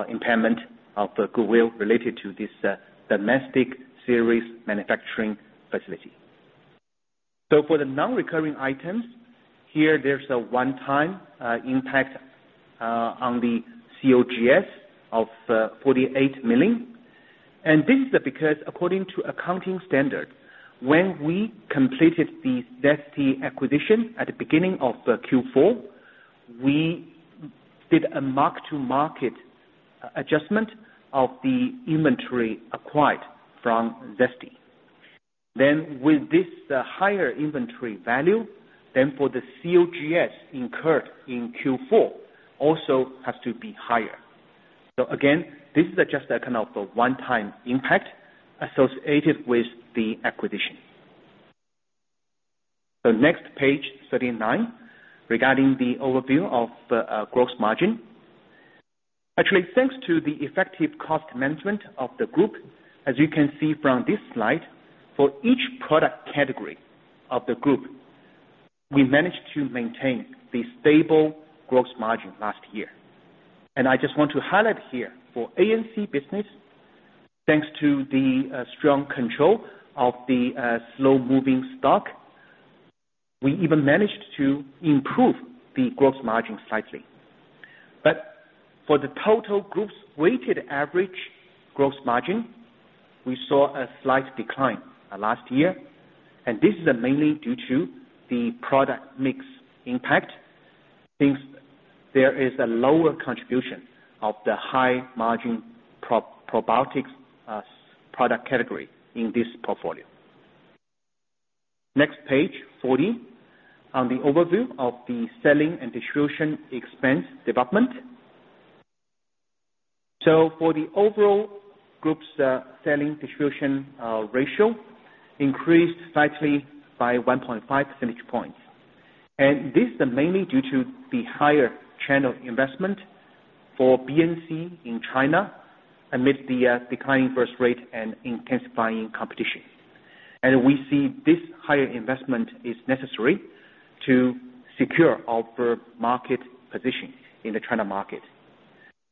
impairment of the goodwill related to this domestic series manufacturing facility. For the non-recurring items, here there's a one-time impact on the COGS of 48 million. This is because according to accounting standard, when we completed the Zesty acquisition at the beginning of the Q4, we did a mark-to-market adjustment of the inventory acquired from Zesty. With this higher inventory value, for the COGS incurred in Q4, also has to be higher. Again, this is just a kind of a one-time impact associated with the acquisition. Next page, 39, regarding the overview of the gross margin. Actually, thanks to the effective cost management of the group, as you can see from this slide, for each product category of the group, we managed to maintain the stable gross margin last year. I just want to highlight here for ANC business, thanks to the strong control of the slow-moving stock, we even managed to improve the gross margin slightly. For the total group's weighted average gross margin, we saw a slight decline last year, and this is mainly due to the product mix impact since there is a lower contribution of the high-margin probiotics product category in this portfolio. Next page, 40, on the overview of the selling and distribution expense development. For the overall group's selling and distribution ratio increased slightly by 1.5 percentage points. This is mainly due to the higher channel investment for BNC in China amid the declining birth rate and intensifying competition. We see this higher investment is necessary to secure our market position in the China market.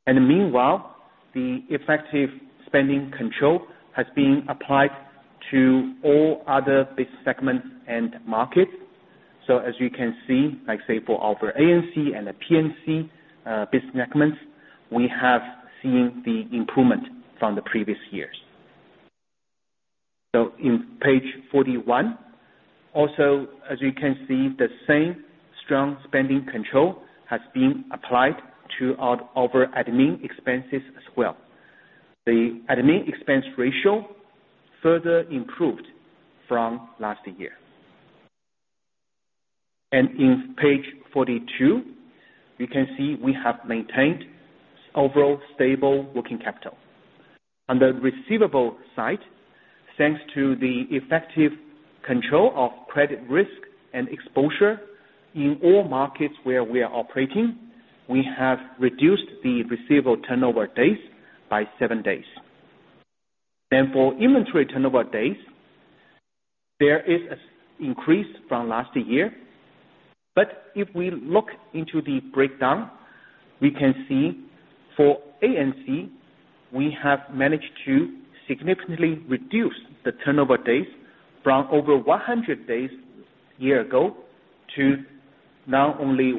Meanwhile, the effective spending control has been applied to all other business segments and markets. As you can see, like say for our ANC and the PNC business segments, we have seen the improvement from the previous years. In page 41, also, as you can see, the same strong spending control has been applied to our admin expenses as well. The admin expense ratio further improved from last year. In page 42, you can see we have maintained overall stable working capital. On the receivable side, thanks to the effective control of credit risk and exposure in all markets where we are operating, we have reduced the receivable turnover days by 7 days. For inventory turnover days, there is an increase from last year. If we look into the breakdown, we can see for ANC, we have managed to significantly reduce the turnover days from over 100 days year ago to now only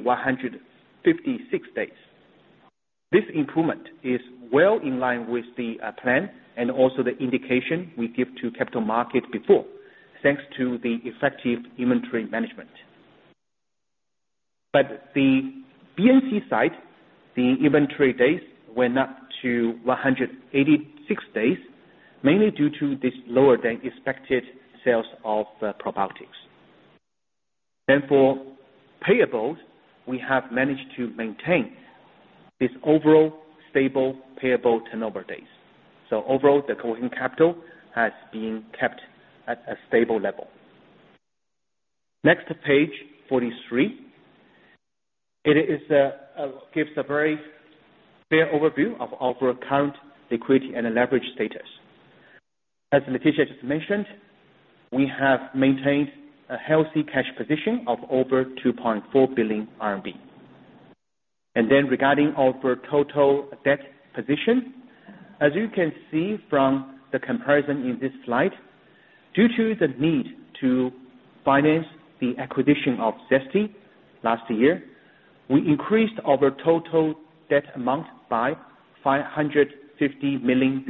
156 days. This improvement is well in line with the plan and also the indication we give to capital market before, thanks to the effective inventory management. The BNC side, the inventory days went up to 186 days, mainly due to this lower than expected sales of probiotics. For payables, we have managed to maintain this overall stable payable turnover days. Overall, the working capital has been kept at a stable level. Next page, 43. It gives a very fair overview of our equity and leverage status. As Laetitia just mentioned, we have maintained a healthy cash position of over 2.4 billion RMB. Regarding our total debt position, as you can see from the comparison in this slide. Due to the need to finance the acquisition of Zesty last year, we increased our total debt amount by $550 million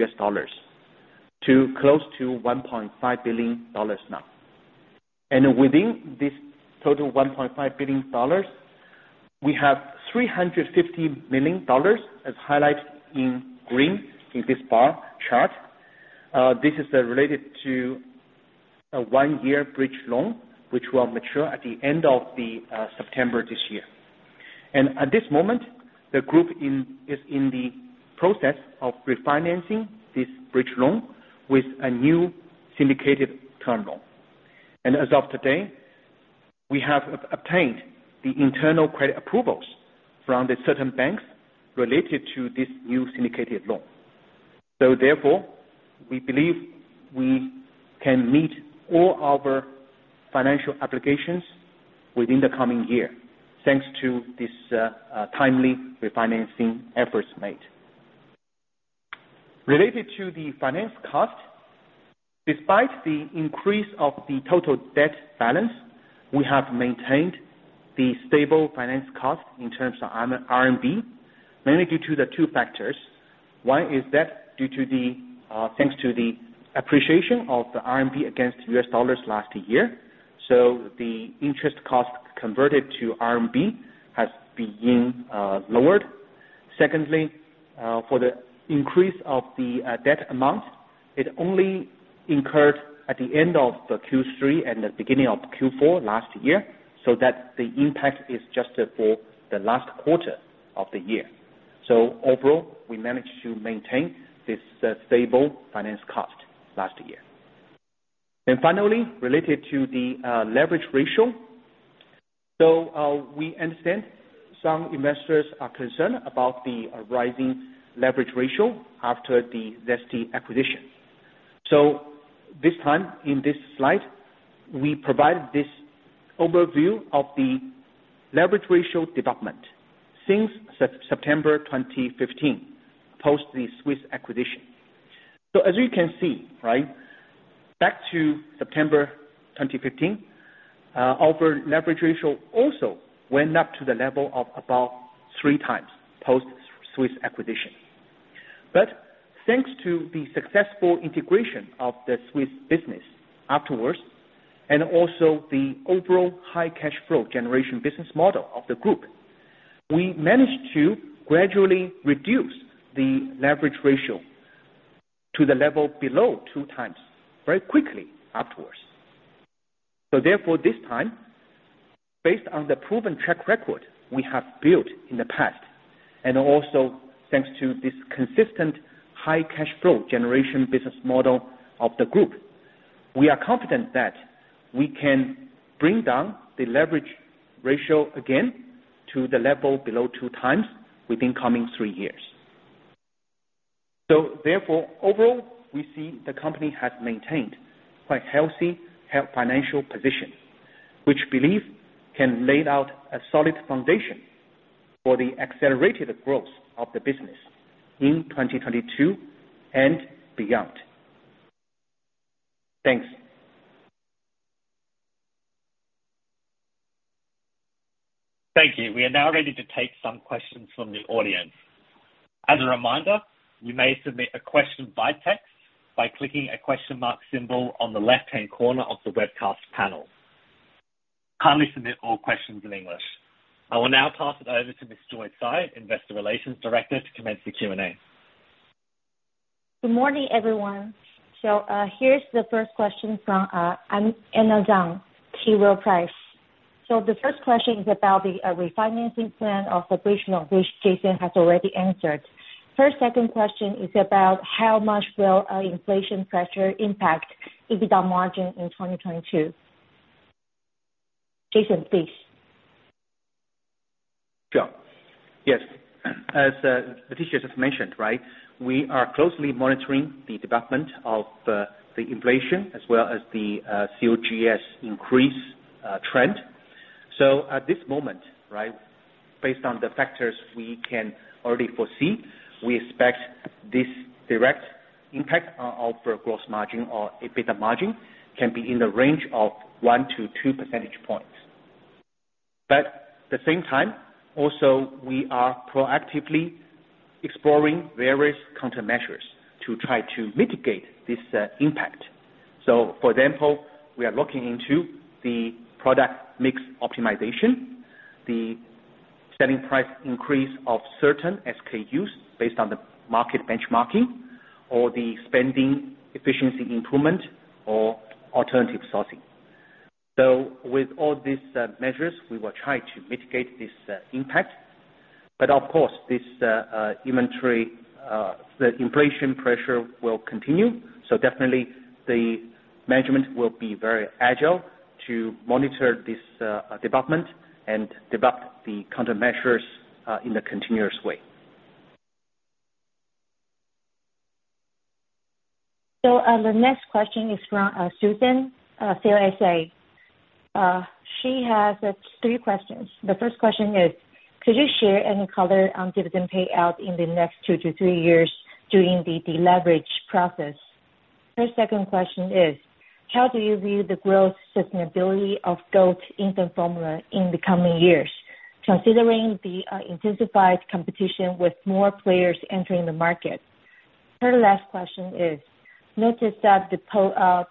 to close to $1.5 billion now. Within this total $1.5 billion, we have $350 million as highlighted in green in this bar chart. This is related to a one-year bridge loan, which will mature at the end of September this year. At this moment, the group is in the process of refinancing this bridge loan with a new syndicated term loan. As of today, we have obtained the internal credit approvals from the certain banks related to this new syndicated loan. Therefore, we believe we can meet all our financial obligations within the coming year, thanks to this timely refinancing efforts made. Related to the finance cost, despite the increase of the total debt balance, we have maintained the stable finance cost in terms of RMB, mainly due to the two factors. One is that due to the thanks to the appreciation of the RMB against U.S. dollars last year. The interest cost converted to RMB has been lowered. Secondly, for the increase of the debt amount, it only incurred at the end of the Q3 and the beginning of Q4 last year, so that the impact is just for the last quarter of the year. Overall, we managed to maintain this stable finance cost last year. Finally, related to the leverage ratio. We understand some investors are concerned about the rising leverage ratio after the Zesty acquisition. This time, in this slide, we provided this overview of the leverage ratio development since September 2015, post the Swisse acquisition. As you can see, right, back to September 2015, our leverage ratio also went up to the level of about 3x post Swisse acquisition. Thanks to the successful integration of the Swisse business afterwards, and also the overall high cash flow generation business model of the group, we managed to gradually reduce the leverage ratio to the level below 2x very quickly afterwards. Therefore, this time, based on the proven track record we have built in the past, and also thanks to this consistent high cash flow generation business model of the group, we are confident that we can bring down the leverage ratio again to the level below 2x within the coming three years. Therefore, overall, we see the company has maintained a quite healthy financial position, which we believe can lay out a solid foundation for the accelerated growth of the business in 2022 and beyond. Thanks. Thank you. We are now ready to take some questions from the audience. As a reminder, you may submit a question by text by clicking a question mark symbol on the left-hand corner of the webcast panel. Kindly submit all questions in English. I will now pass it over to Miss Joy Tsai, Investor Relations Director, to commence the Q&A. Good morning, everyone. Here's the first question from Anna Zhang, T. Rowe Price. The first question is about the refinancing plan of operational, which Jason has already answered. Her second question is about how much inflation pressure will impact EBITDA margin in 2022. Jason, please. Sure. Yes. As Laetitia just mentioned, right, we are closely monitoring the development of the inflation as well as the COGS increase trend. At this moment, right, based on the factors we can already foresee, we expect this direct impact on our gross margin or EBITDA margin can be in the range of 1-2 percentage points. At the same time, also, we are proactively exploring various countermeasures to try to mitigate this impact. For example, we are looking into the product mix optimization, the selling price increase of certain SKUs based on the market benchmarking or the spending efficiency improvement or alternative sourcing. With all these measures, we will try to mitigate this impact. Of course, this inflation pressure will continue. Definitely the management will be very agile to monitor this development and develop the countermeasures in a continuous way. The next question is from Susan, CICC. She has three questions. The first question is: Could you share any color on dividend payout in the next 2-3 years during the deleverage process? Her second question is: How do you view the growth sustainability of goat infant formula in the coming years, considering the intensified competition with more players entering the market? Her last question is: Notice that the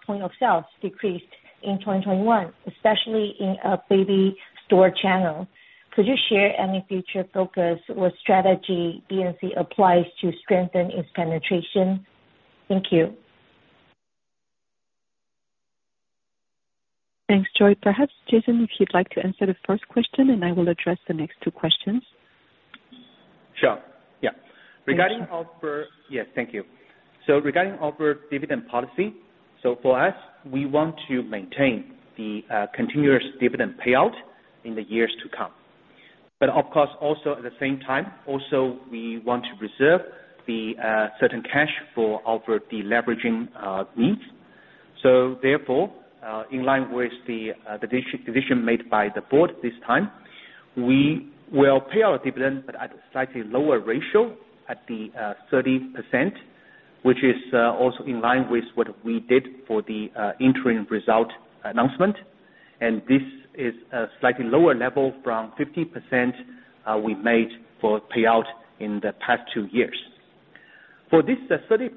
point of sales decreased in 2021, especially in baby store channel. Could you share any future focus or strategy BNC applies to strengthen its penetration? Thank you. Thanks, Joy. Perhaps Jason, if you'd like to answer the first question, and I will address the next two questions. Sure, yeah. Yes. Thank you. Regarding our dividend policy, for us, we want to maintain the continuous dividend payout in the years to come. But of course, also at the same time, also we want to reserve certain cash for our deleveraging needs. Therefore, in line with the decision made by the board this time, we will pay our dividend but at a slightly lower ratio at the 30%, which is also in line with what we did for the interim result announcement. This is a slightly lower level from 50% we made for payout in the past two years. For this 30%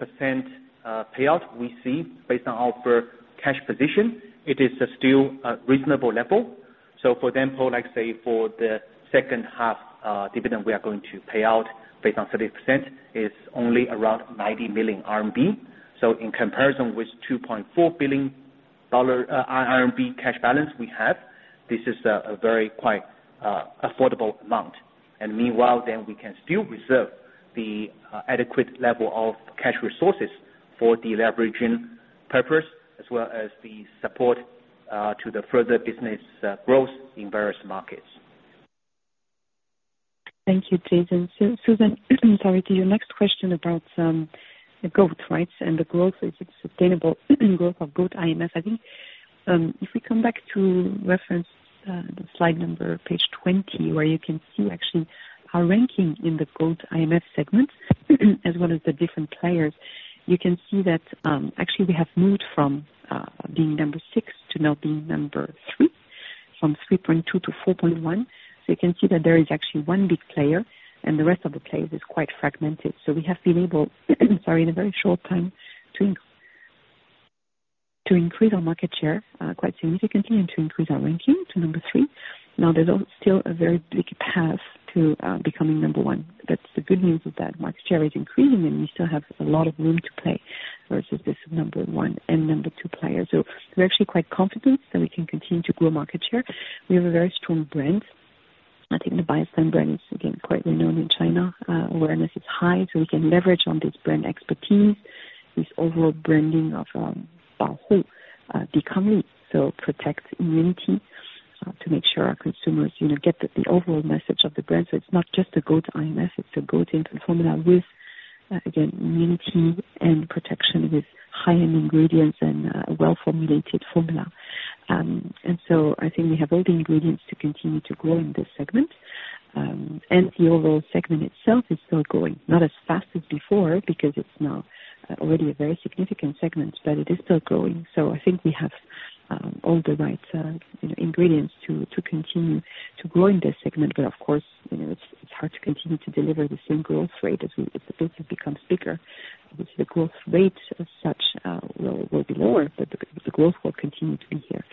payout we see based on our cash position, it is still a reasonable level. For example, like say for the second half dividend we are going to pay out based on 30% is only around 90 million RMB. In comparison with 2.4 billion RMB cash balance we have, this is a very quite affordable amount. Meanwhile, then we can still reserve the adequate level of cash resources for deleveraging purpose as well as the support to the further business growth in various markets. Thank you, Jason. Susan, sorry, to your next question about the GB, right? And the growth, is it sustainable growth of GB IMF, I think, if we come back to reference the slide number page 20, where you can see actually our ranking in the GB IMF segment as well as the different players, you can see that actually we have moved from being number 6 to now being number 3, from 3.2% to 4.1%. You can see that there is actually one big player, and the rest of the players is quite fragmented. We have been able, sorry, in a very short time to increase our market share quite significantly and to increase our ranking to number 3. Now, there's still a very big path to becoming number 1. That's the good news is that market share is increasing, and we still have a lot of room to play versus this number one and number two players. We're actually quite confident that we can continue to grow market share. We have a very strong brand. I think the Biostime brand is again quite renowned in China. Awareness is high, so we can leverage on this brand expertise, this overall branding of Biostime, becoming strong protects immunity to make sure our consumers you know get the overall message of the brand. It's not just a great IMF, it's a great infant formula with again immunity and protection with high-end ingredients and a well-formulated formula. I think we have all the ingredients to continue to grow in this segment. The overall segment itself is still growing, not as fast as before because it's now already a very significant segment, but it is still growing. I think we have all the right, you know, ingredients to continue to grow in this segment. Of course, you know, it's hard to continue to deliver the same growth rate as the base has become bigger, which the growth rate as such will be lower, but the growth will continue to be here.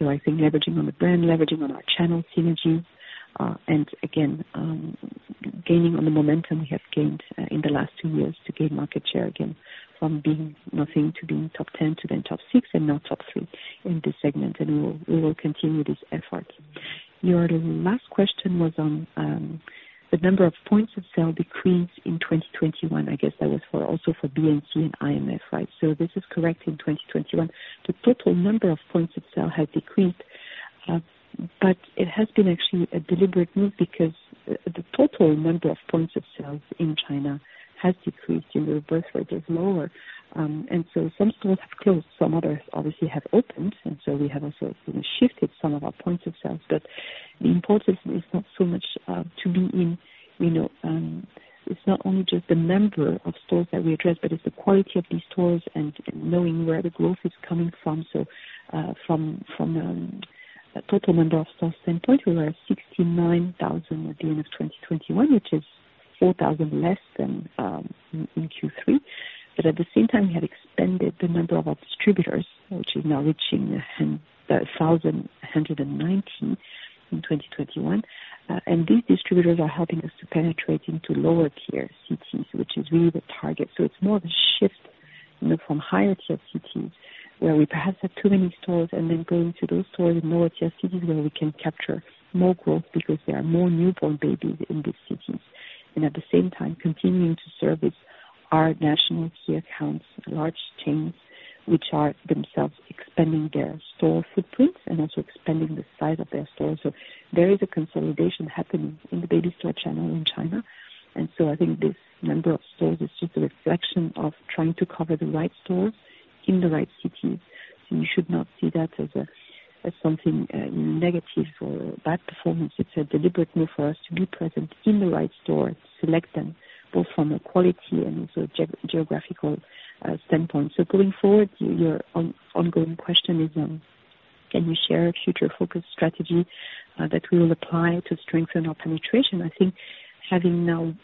I think leveraging on the brand, leveraging on our channel synergy, and again gaining on the momentum we have gained in the last two years to gain market share again from being nothing to being top ten to then top six and now top three in this segment. We will continue this effort. Your last question was on the number of points of sale decreased in 2021. I guess that was for BNC and IMF also, right? This is correct in 2021. The total number of points of sale has decreased. It has been actually a deliberate move because the total number of points of sales in China has decreased, you know, birth rate is lower. Some stores have closed, some others obviously have opened, and we have also, you know, shifted some of our points of sales. The importance is not so much to be in, you know, it's not only just the number of stores that we address, but it's the quality of these stores and knowing where the growth is coming from. From total number of stores standpoint, we were at 69,000 at the end of 2021, which is 4,000 less than in Q3. At the same time, we have expanded the number of our distributors, which is now reaching 1,119 in 2021. These distributors are helping us to penetrate into lower tier cities, which is really the target. It's more of a shift, you know, from higher tier cities where we perhaps have too many stores and then going to those stores in lower tier cities where we can capture more growth because there are more newborn babies in these cities. At the same time continuing to service our national key accounts, large chains, which are themselves expanding their store footprints and also expanding the size of their stores. There is a consolidation happening in the baby store channel in China. I think this number of stores is just a reflection of trying to cover the right stores in the right cities. You should not see that as something negative for bad performance. It's a deliberate move for us to be present in the right stores, select them both from a quality and also geographical standpoint. Going forward, your ongoing question is, can you share a future focus strategy that we will apply to strengthen our penetration? I think having now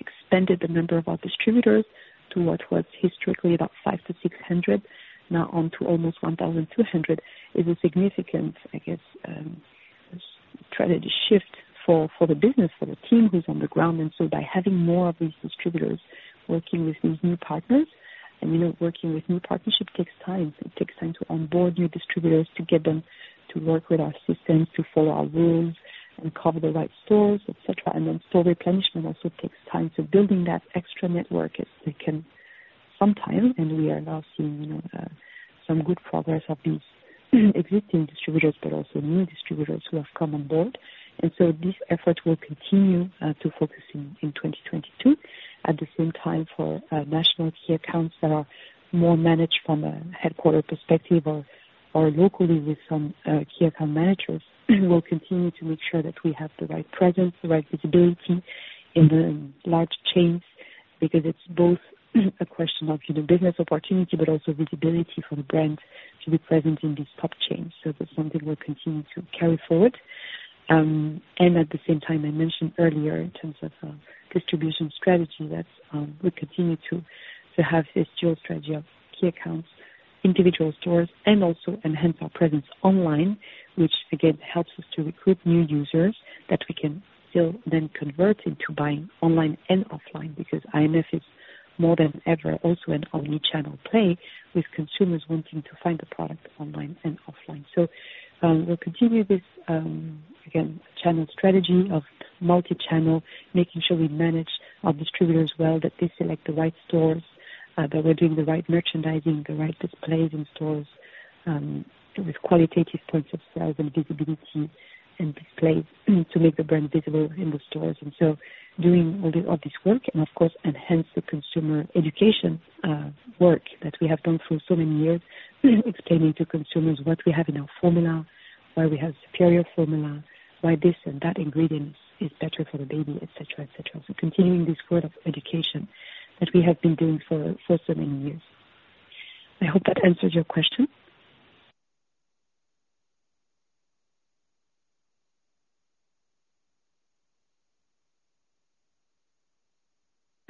expanded the number of our distributors to what was historically about 500-600 now on to almost 1,200 is a significant, I guess, strategy shift for the business, for the team who's on the ground. By having more of these distributors working with these new partners, and, you know, working with new partnership takes time. It takes time to onboard new distributors, to get them to work with our systems, to follow our rules and cover the right stores, et cetera. Store replenishment also takes time. Building that extra network, it can sometimes, and we are now seeing some good progress of these existing distributors, but also new distributors who have come on board. This effort will continue to focus in 2022. At the same time for national key accounts that are more managed from a headquarters perspective or locally with some key account managers we'll continue to make sure that we have the right presence, the right visibility in the large chains, because it's both a question of, you know, business opportunity, but also visibility for the brand to be present in these top chains. That's something we'll continue to carry forward, and at the same time, I mentioned earlier in terms of distribution strategy that we continue to have this dual strategy of key accounts, individual stores, and also enhance our presence online, which again helps us to recruit new users that we can still then convert into buying online and offline because IMF is more than ever also an omni-channel play with consumers wanting to find the product online and offline. We'll continue this again channel strategy of multi-channel, making sure we manage our distributors well, that they select the right stores, that we're doing the right merchandising, the right displays in stores with quality points of sale and visibility and displays to make the brand visible in those stores. Doing all this work and of course, enhance the consumer education work that we have done for so many years, explaining to consumers what we have in our formula, why we have superior formula, why this and that ingredients is better for the baby, et cetera. Continuing this work of education that we have been doing for so many years. I hope that answers your question.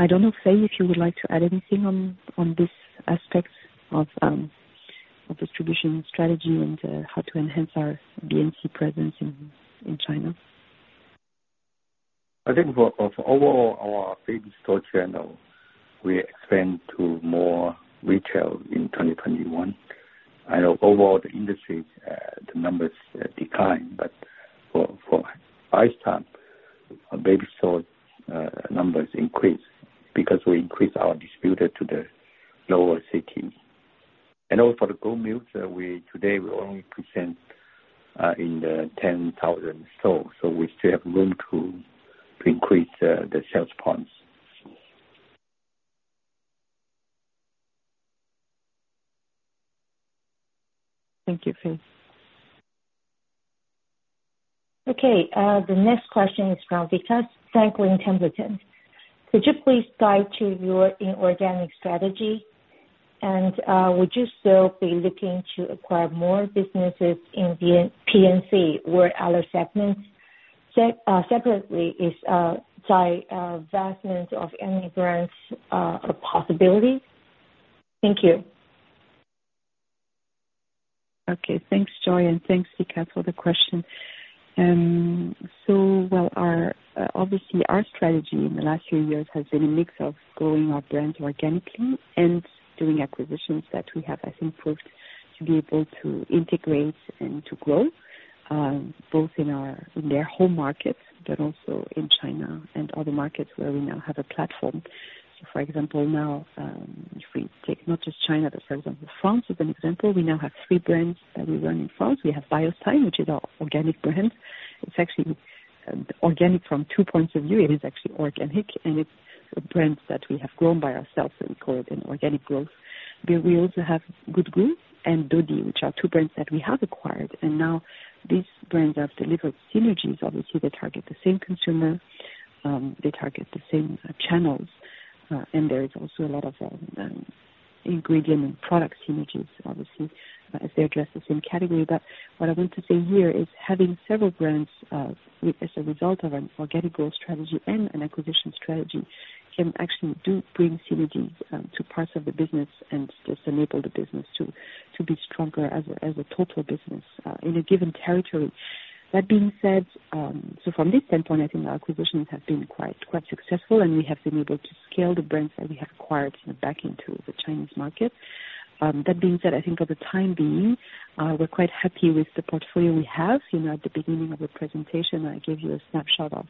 I don't know, Luo Fei, if you would like to add anything on this aspect of distribution strategy and how to enhance our BNC presence in China. I think for overall our baby store channel, we expand to more retail in 2021. I know overall the industry, the numbers decline, but for Biostime our baby store, numbers increased because we increased our distributor to the lower city. Also for the Goldmilk, today we only present in the 10,000 stores, so we still have room to increase the sales points. Thank you, Luo Fei. Okay. The next question is from Vikas Sankaran, Templeton. Could you please guide to your inorganic strategy? Would you still be looking to acquire more businesses in the PNC or other segments? Separately, is divestment of any brands a possibility? Thank you. Thanks, Joy, and thanks, Vikas, for the question. Obviously our strategy in the last few years has been a mix of growing our brands organically and doing acquisitions that we have, I think, proved to be able to integrate and to grow, both in their home markets, but also in China and other markets where we now have a platform. For example, now, if we take not just China, but for example, France as an example, we now have three brands that we run in France. We have Biostime, which is our organic brand. It's actually organic from two points of view. It is actually organic, and it's brands that we have grown by ourselves, and we call it an organic growth. We also have Good Goût and Dodie, which are two brands that we have acquired. Now these brands have delivered synergies. Obviously, they target the same consumer, they target the same channels, and there is also a lot of ingredient and product synergies, obviously, as they address the same category. What I want to say here is having several brands as a result of an organic growth strategy and an acquisition strategy can actually do bring synergies to parts of the business and just enable the business to be stronger as a total business in a given territory. That being said, from this standpoint, I think our acquisitions have been quite successful, and we have been able to scale the brands that we have acquired back into the Chinese market. That being said, I think for the time being, we're quite happy with the portfolio we have. You know, at the beginning of the presentation, I gave you a snapshot of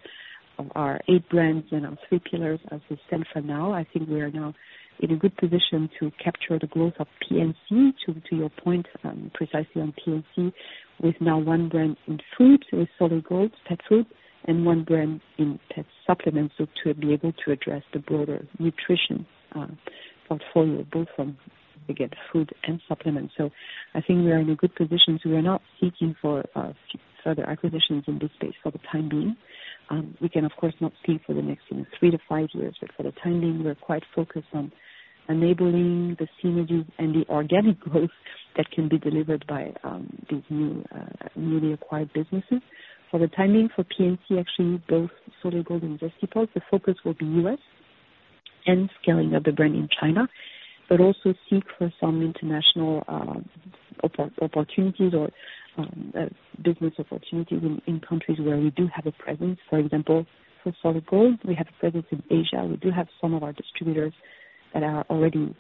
our eight brands and our three pillars as we stand for now. I think we are now in a good position to capture the growth of PNC, to your point, precisely on PNC, with now one brand in food, with Solid Gold pet food, and one brand in pet supplements, so to be able to address the broader nutrition space portfolio, both from, again, food and supplements. I think we are in a good position. We are not seeking for further acquisitions in this space for the time being. We can of course not see for the next three to five years, but for the time being, we're quite focused on enabling the synergies and the organic growth that can be delivered by these newly acquired businesses. For the timing for PNC, actually, both Solid Gold and Zesty Paws, the focus will be U.S. and scaling up the brand in China, but also seek for some international opportunities or business opportunities in countries where we do have a presence. For example, for Solid Gold, we have a presence in Asia. We do have some of our distributors that are already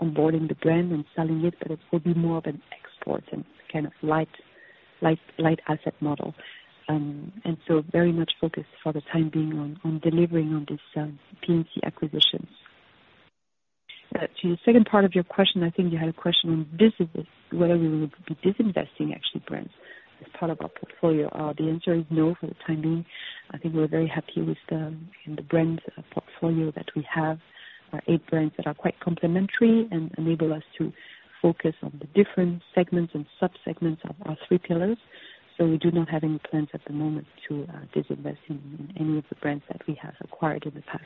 onboarding the brand and selling it, but it will be more of an export and kind of light asset model. Very much focused for the time being on delivering on this PNC acquisitions. To the second part of your question, I think you had a question on disinvest, whether we would be disinvesting actually brands as part of our portfolio. The answer is no for the time being. I think we're very happy with the brand portfolio that we have, our eight brands that are quite complementary and enable us to focus on the different segments and sub-segments of our three pillars. We do not have any plans at the moment to disinvest in any of the brands that we have acquired in the past.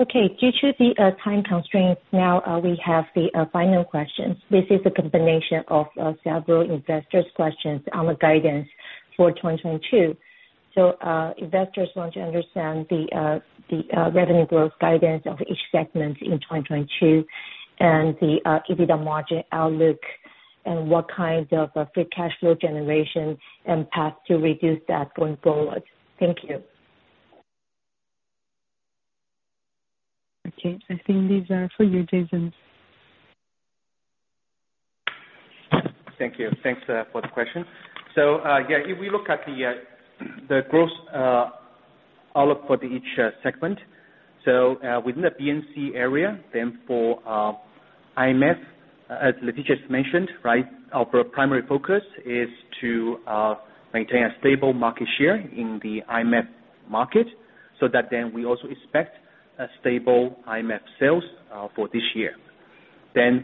Okay. Due to the time constraints now, we have the final questions. This is a combination of several investors' questions on the guidance for 2022. Investors want to understand the revenue growth guidance of each segment in 2022 and the EBITDA margin outlook and what kinds of free cash flow generation and path to reduce debt going forward. Thank you. Okay. I think these are for you, Jason. Thank you. Thanks for the question. Yeah, if we look at the growth outlook for each segment. Within the PNC area, for IMF, as Laetitia just mentioned, right? Our primary focus is to maintain a stable market share in the IMF market so that we also expect stable IMF sales for this year.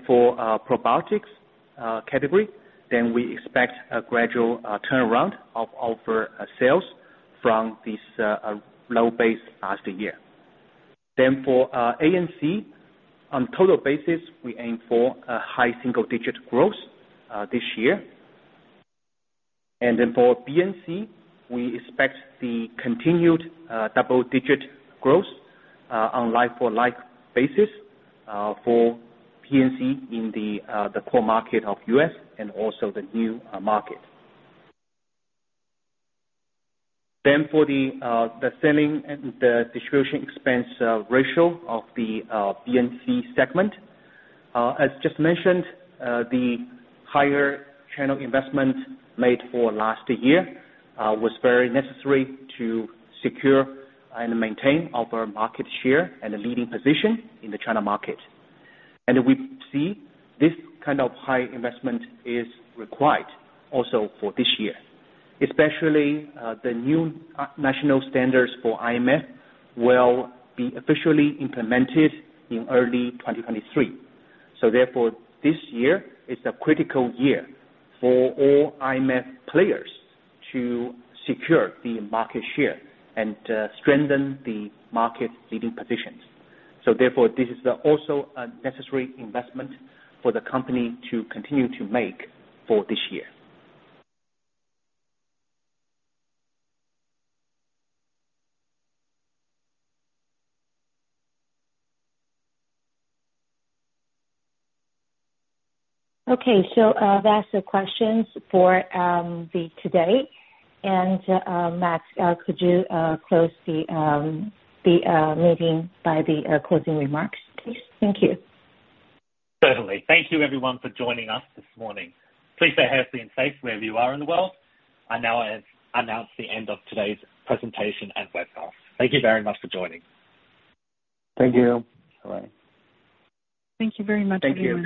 For probiotics category, we expect a gradual turnaround of our sales from this low base last year. For ANC, on total basis, we aim for high single-digit growth this year. For PNC, we expect continued double-digit growth on like-for-like basis for PNC in the core market of U.S. and also the new market. For the selling and the distribution expense ratio of the PNC segment, as just mentioned, the higher channel investment made for last year was very necessary to secure and maintain our market share and a leading position in the China market. We see this kind of high investment is required also for this year, especially the new national standards for IMF will be officially implemented in early 2023. This year is a critical year for all IMF players to secure the market share and strengthen the market leading positions. This is also a necessary investment for the company to continue to make for this year. Okay. That's the questions for the today. Max, could you close the meeting by the closing remarks, please? Thank you. Certainly. Thank you everyone for joining us this morning. Please stay healthy and safe wherever you are in the world. I now have announced the end of today's presentation and webcast. Thank you very much for joining. Thank you. Bye. Thank you very much. Thank you.